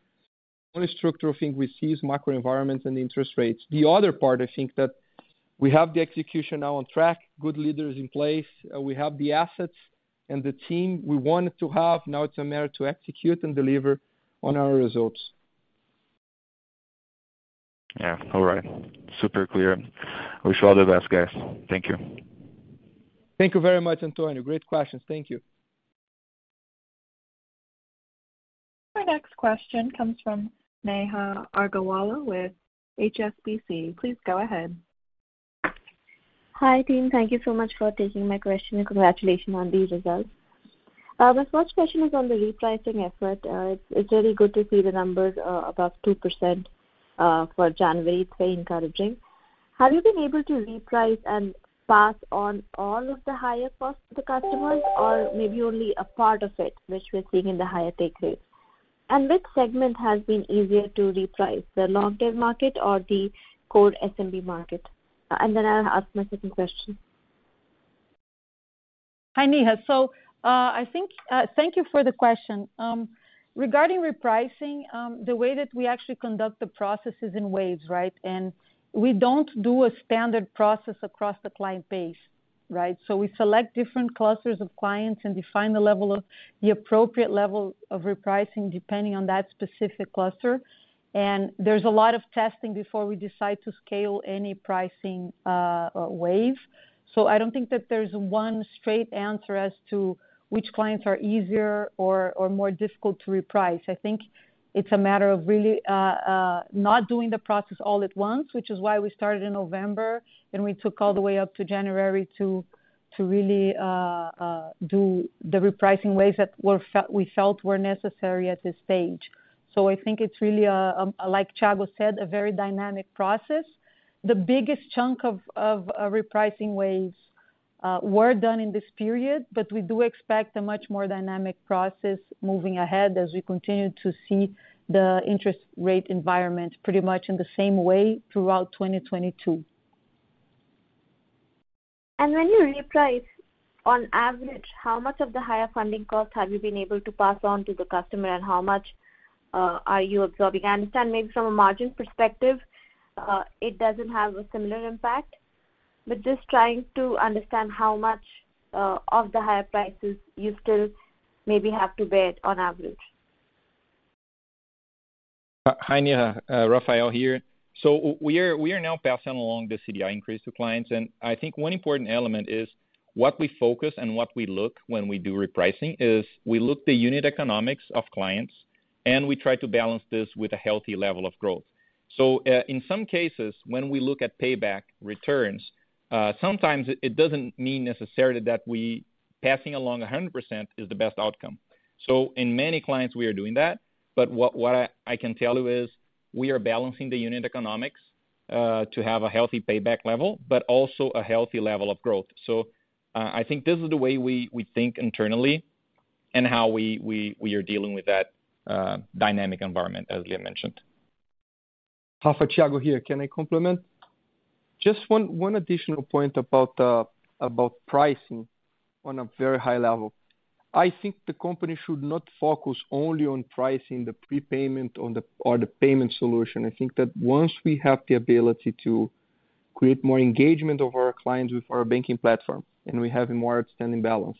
Only structural thing we see is macro environment and interest rates. The other part, I think that we have the execution now on track, good leaders in place. We have the assets and the team we wanted to have. Now it's a matter to execute and deliver on our results. Yeah. All right. Super clear. Wish you all the best, guys. Thank you. Thank you very much, Antonio. Great questions. Thank you. Our next question comes from Neha Agarwala with HSBC. Please go ahead. Hi, team. Thank you so much for taking my question and congratulations on these results. The first question is on the repricing effort. It's really good to see the numbers above 2% for January. It's very encouraging. Have you been able to reprice and pass on all of the higher costs to the customers or maybe only a part of it, which we're seeing in the higher take rate? Which segment has been easier to reprice, the long tail market or the core SMB market? I'll ask my second question. Hi, Neha. I think, thank you for the question. Regarding repricing, the way that we actually conduct the process is in waves, right? We don't do a standard process across the client base, right? We select different clusters of clients and define the appropriate level of repricing depending on that specific cluster. There's a lot of testing before we decide to scale any pricing wave. I don't think that there's one straight answer as to which clients are easier or more difficult to reprice. I think it's a matter of really not doing the process all at once, which is why we started in November, and we took all the way up to January to really do the repricing waves that we felt were necessary at this stage. I think it's really like Thiago said, a very dynamic process. The biggest chunk of repricing waves were done in this period, but we do expect a much more dynamic process moving ahead as we continue to see the interest rate environment pretty much in the same way throughout 2022. When you reprice, on average, how much of the higher funding cost have you been able to pass on to the customer, and how much are you absorbing? I understand maybe from a margin perspective, it doesn't have a similar impact, but just trying to understand how much of the higher prices you still maybe have to bear on average? Hi, Neha. Rafael here. We are now passing along the CDI increase to clients, and I think one important element is what we focus and what we look when we do repricing is we look at the unit economics of clients, and we try to balance this with a healthy level of growth. In some cases, when we look at payback returns, sometimes it doesn't mean necessarily that we are passing along 100% is the best outcome. In many clients, we are doing that. But what I can tell you is we are balancing the unit economics to have a healthy payback level, but also a healthy level of growth. I think this is the way we think internally and how we are dealing with that dynamic environment, as Lia mentioned. Rafa, Thiago here. Can I complement? Just one additional point about pricing on a very high level. I think the company should not focus only on pricing the prepayment or the payment solution. I think that once we have the ability to create more engagement of our clients with our banking platform, and we have a more outstanding balance,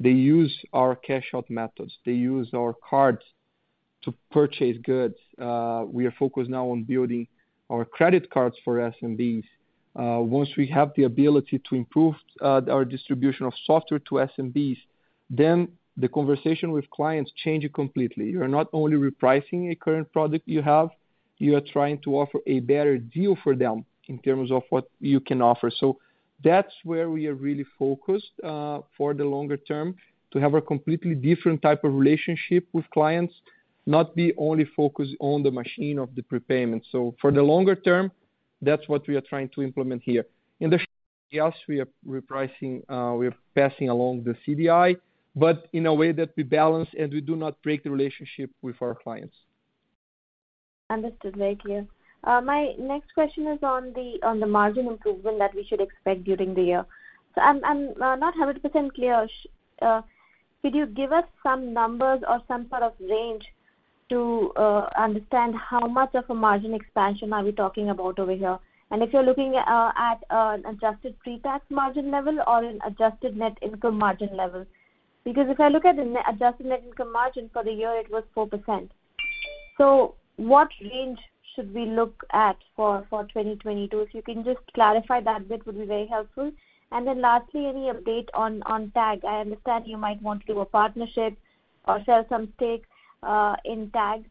they use our cash out methods. They use our cards to purchase goods. We are focused now on building our credit cards for SMBs. Once we have the ability to improve our distribution of software to SMBs, then the conversation with clients changes completely. You're not only repricing a current product you have, you are trying to offer a better deal for them in terms of what you can offer. That's where we are really focused, for the longer term, to have a completely different type of relationship with clients, not be only focused on the machine of the prepayment. For the longer term, that's what we are trying to implement here. In the short term, yes, we are repricing, we are passing along the CDI, but in a way that we balance and we do not break the relationship with our clients. Understood. Very clear. My next question is on the margin improvement that we should expect during the year. I'm not 100% clear. Could you give us some numbers or some sort of range to understand how much of a margin expansion are we talking about over here? And if you're looking at an adjusted pre-tax margin level or an adjusted net income margin level. Because if I look at the net adjusted net income margin for the year, it was 4%. What range should we look at for 2022? If you can just clarify that a bit would be very helpful. And then lastly, any update on Tag. I understand you might want to do a partnership or sell some stake in Tag.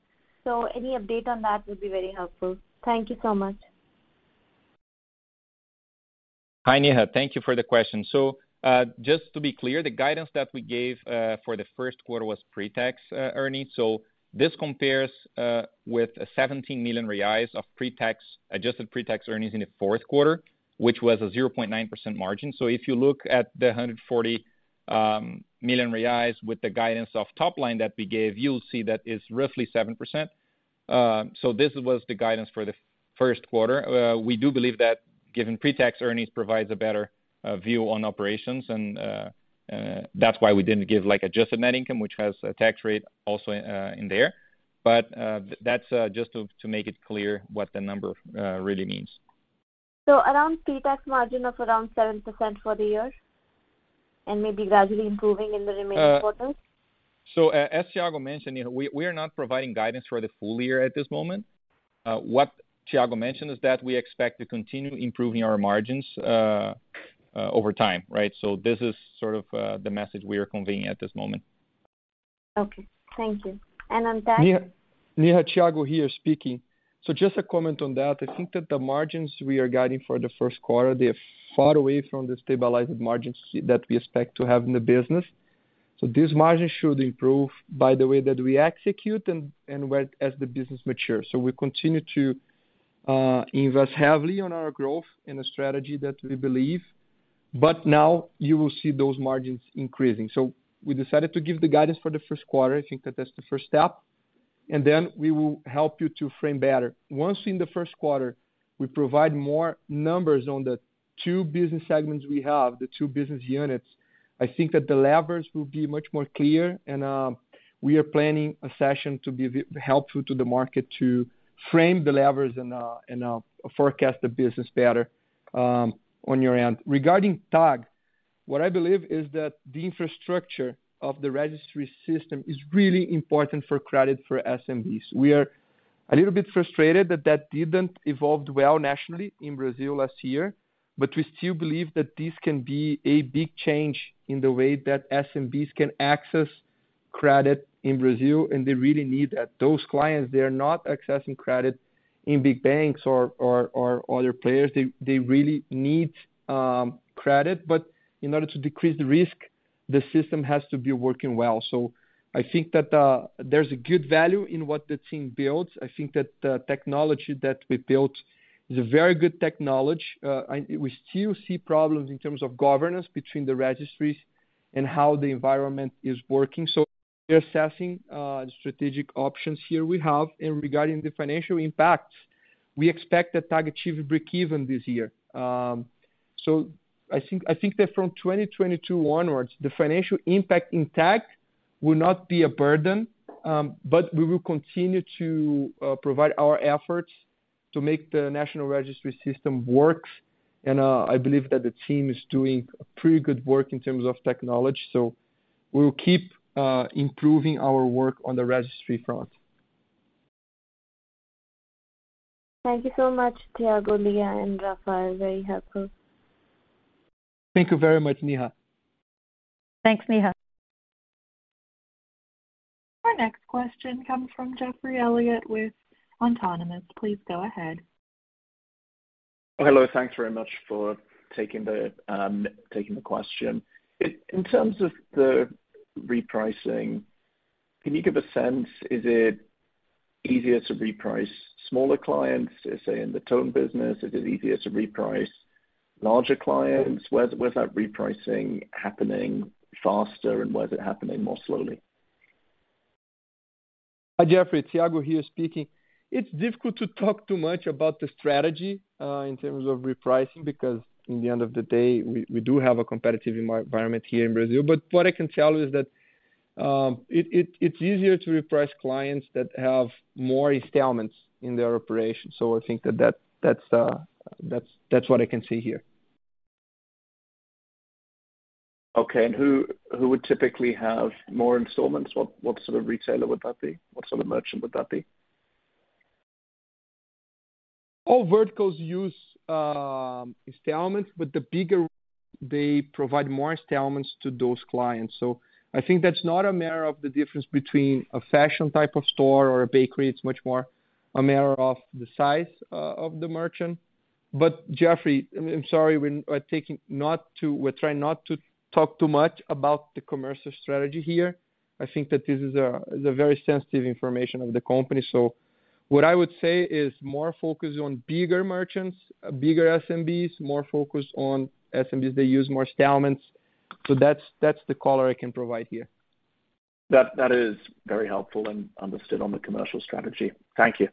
Any update on that would be very helpful. Thank you so much. Hi, Neha. Thank you for the question. Just to be clear, the guidance that we gave for the first quarter was pre-tax earnings. This compares with 17 million reais of adjusted pre-tax earnings in the fourth quarter, which was a 0.9% margin. If you look at the 140 million reais with the guidance of top line that we gave, you'll see that is roughly 7%. This was the guidance for the first quarter. We do believe that giving pre-tax earnings provides a better view on operations and that's why we didn't give like adjusted net income, which has a tax rate also in there. That's just to make it clear what the number really means. Around pre-tax margin of around 7% for the year and maybe gradually improving in the remaining quarters? As Thiago mentioned, you know, we are not providing guidance for the full year at this moment. What Thiago mentioned is that we expect to continue improving our margins over time, right? This is sort of the message we are conveying at this moment. Okay. Thank you. And on Tag? Neha, Thiago here speaking. Just a comment on that. I think that the margins we are guiding for the first quarter, they are far away from the stabilized margins that we expect to have in the business. These margins should improve by the way that we execute and as the business matures. We continue to invest heavily on our growth in a strategy that we believe. Now you will see those margins increasing. We decided to give the guidance for the first quarter. I think that that's the first step. Then we will help you to frame better. Once in the first quarter, we provide more numbers on the two business segments we have, the two business units. I think that the levers will be much more clear and we are planning a session to be helpful to the market to frame the levers and forecast the business better on your end. Regarding Tag, what I believe is that the infrastructure of the registry system is really important for credit for SMBs. We are a little bit frustrated that that didn't evolve well nationally in Brazil last year, but we still believe that this can be a big change in the way that SMBs can access credit in Brazil, and they really need that. Those clients, they are not accessing credit in big banks or other players. They really need credit. But in order to decrease the risk, the system has to be working well. I think that there's a good value in what the team builds. I think that the technology that we built is a very good technology. We still see problems in terms of governance between the registries and how the environment is working. We are assessing strategic options here we have. Regarding the financial impact, we expect that Tag achieve breakeven this year. I think that from 2022 onwards, the financial impact in Tag will not be a burden, but we will continue to provide our efforts to make the national registry system work. I believe that the team is doing pretty good work in terms of technology. We'll keep improving our work on the registry front. Thank you so much, Thiago, Lia and Rafael. Very helpful. Thank you very much, Neha. Thanks, Neha. Our next question comes from Geoffrey Elliott with Autonomous. Please go ahead. Hello. Thanks very much for taking the question. In terms of the repricing, can you give a sense, is it easier to reprice smaller clients, say in the Ton business? Is it easier to reprice larger clients? Where's that repricing happening faster, and where's it happening more slowly? Hi, Geoffrey. Thiago here speaking. It's difficult to talk too much about the strategy in terms of repricing, because in the end of the day, we do have a competitive environment here in Brazil. What I can tell you is that it's easier to reprice clients that have more installments in their operation. I think that that's what I can say here. Okay. Who would typically have more installments? What sort of retailer would that be? What sort of merchant would that be? All verticals use installments, but the bigger they provide more installments to those clients. I think that's not a matter of the difference between a fashion type of store or a bakery. It's much more a matter of the size of the merchant. But Geoffrey, I'm sorry, we're trying not to talk too much about the commercial strategy here. I think that this is a very sensitive information of the company. What I would say is more focused on bigger merchants, bigger SMBs, more focused on SMBs that use more installments. That's the color I can provide here. That is very helpful and understood on the commercial strategy. Thank you.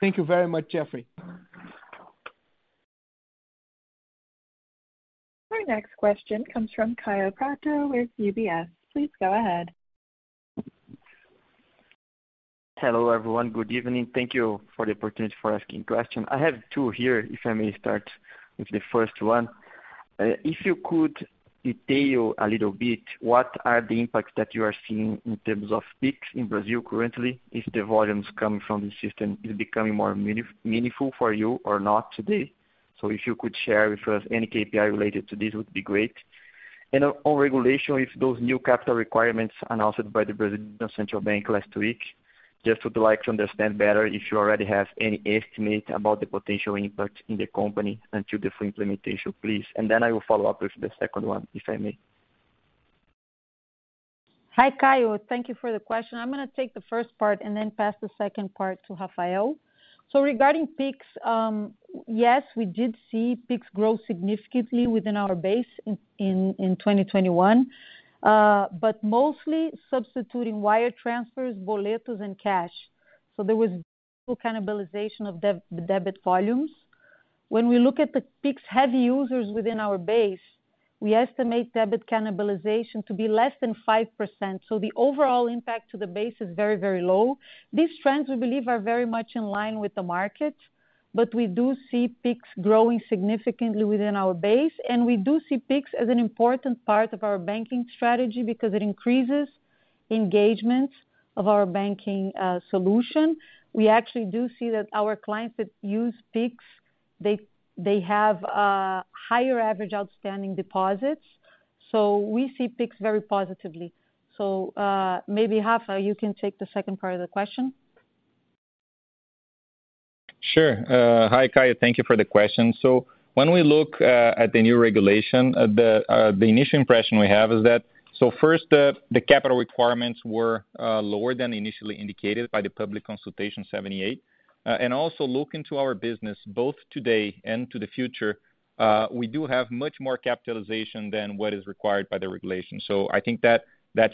Thank you very much, Geoffrey. Our next question comes from Kaio Prato with UBS. Please go ahead. Hello, everyone. Good evening. Thank you for the opportunity to ask a question. I have two here, if I may start with the first one. If you could detail a little bit, what are the impacts that you are seeing in terms of PIX in Brazil currently? If the volumes coming from the system is becoming more meaningful for you or not today? So if you could share with us any KPI related to this would be great. On regulation, if those new capital requirements announced by the Central Bank of Brazil last week, I just would like to understand better if you already have any estimate about the potential impact in the company until the full implementation? Please. Then I will follow up with the second one, if I may. Hi, Kaio. Thank you for the question. I'm gonna take the first part and then pass the second part to Rafael. Regarding PIX, yes, we did see PIX grow significantly within our base in 2021, but mostly substituting wire transfers, boletos, and cash. There was cannibalization of debit volumes. When we look at the PIX heavy users within our base, we estimate debit cannibalization to be less than 5%. The overall impact to the base is very, very low. These trends, we believe, are very much in line with the market, but we do see PIX growing significantly within our base, and we do see PIX as an important part of our banking strategy because it increases engagement of our banking solution. We actually do see that our clients that use PIX, they have higher average outstanding deposits. We see PIX very positively. Maybe Rafa, you can take the second part of the question. Sure. Hi, Kaio. Thank you for the question. When we look at the new regulation, the initial impression we have is that, first, the capital requirements were lower than initially indicated by the Public Consultation 78. Also look into our business both today and to the future, we do have much more capitalization than what is required by the regulation. I think that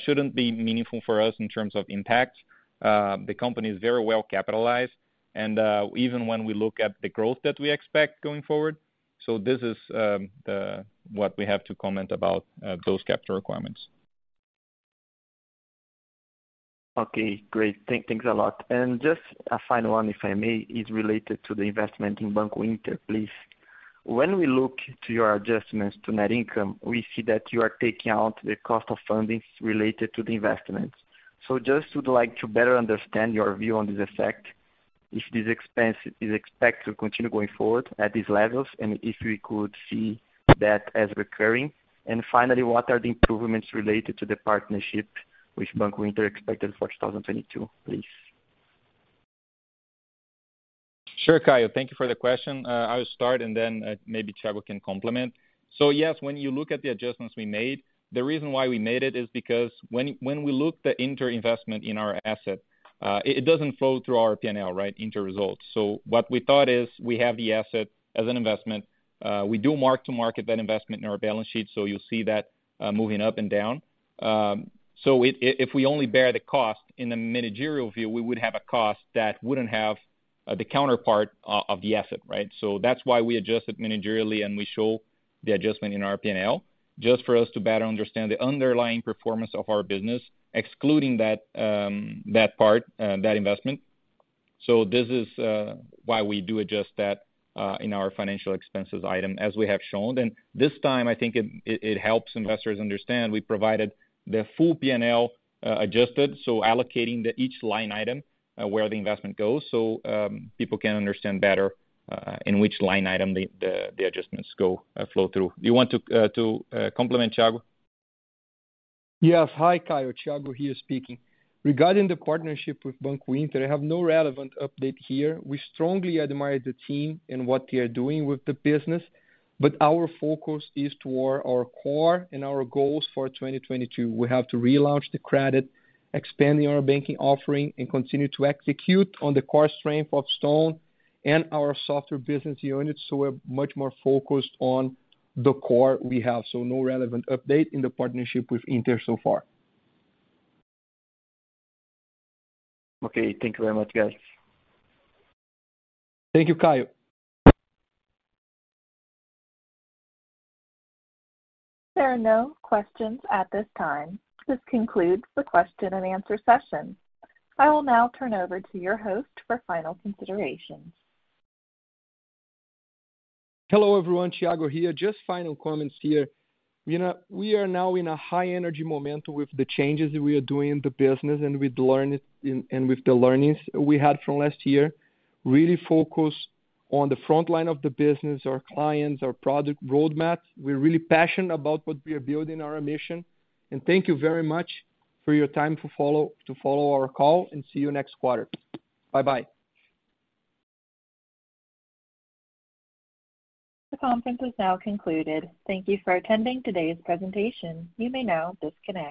shouldn't be meaningful for us in terms of impact. The company is very well capitalized. Even when we look at the growth that we expect going forward. This is what we have to comment about those capital requirements. Okay, great. Thanks a lot. Just a final one, if I may, is related to the investment in Banco Inter, please. When we look to your adjustments to net income, we see that you are taking out the cost of fundings related to the investments. Just would like to better understand your view on this effect. If this expense is expected to continue going forward at these levels, and if we could see that as recurring? Finally, what are the improvements related to the partnership with Banco Inter expected for 2022, please? Sure, Kaio. Thank you for the question. I'll start and then, maybe Thiago can complement. Yes, when you look at the adjustments we made, the reason why we made it is because when we look at the Inter investment in our asset, it doesn't flow through our P&L, right? Inter results. What we thought is we have the asset as an investment. We do mark to market that investment in our balance sheet, so you'll see that moving up and down. If we only bear the cost in the managerial view, we would have a cost that wouldn't have the counterpart of the asset, right? That's why we adjust it managerially, and we show the adjustment in our P&L, just for us to better understand the underlying performance of our business, excluding that part, that investment. This is why we do adjust that in our financial expenses item as we have shown. This time, I think it helps investors understand we provided the full P&L adjusted, so allocating each line item where the investment goes, so people can understand better in which line item the adjustments go flow through. You want to complement, Thiago? Yes. Hi, Kaio. Thiago here speaking. Regarding the partnership with Banco Inter, I have no relevant update here. We strongly admire the team and what they are doing with the business, but our focus is toward our core and our goals for 2022. We have to relaunch the credit, expanding our banking offering, and continue to execute on the core strength of Stone and our software business units. We're much more focused on the core we have. No relevant update in the partnership with Inter so far. Okay. Thank you very much, guys. Thank you, Kaio. There are no questions at this time. This concludes the question and answer session. I will now turn over to your host for final considerations. Hello, everyone. Thiago here. Just final comments here. You know, we are now in a high energy momentum with the changes that we are doing in the business and with the learnings we had from last year. Really focused on the front line of the business, our clients, our product roadmap. We're really passionate about what we are building, our mission. Thank you very much for your time to follow our call, and see you next quarter. Bye-bye. The conference is now concluded. Thank you for attending today's presentation. You may now disconnect.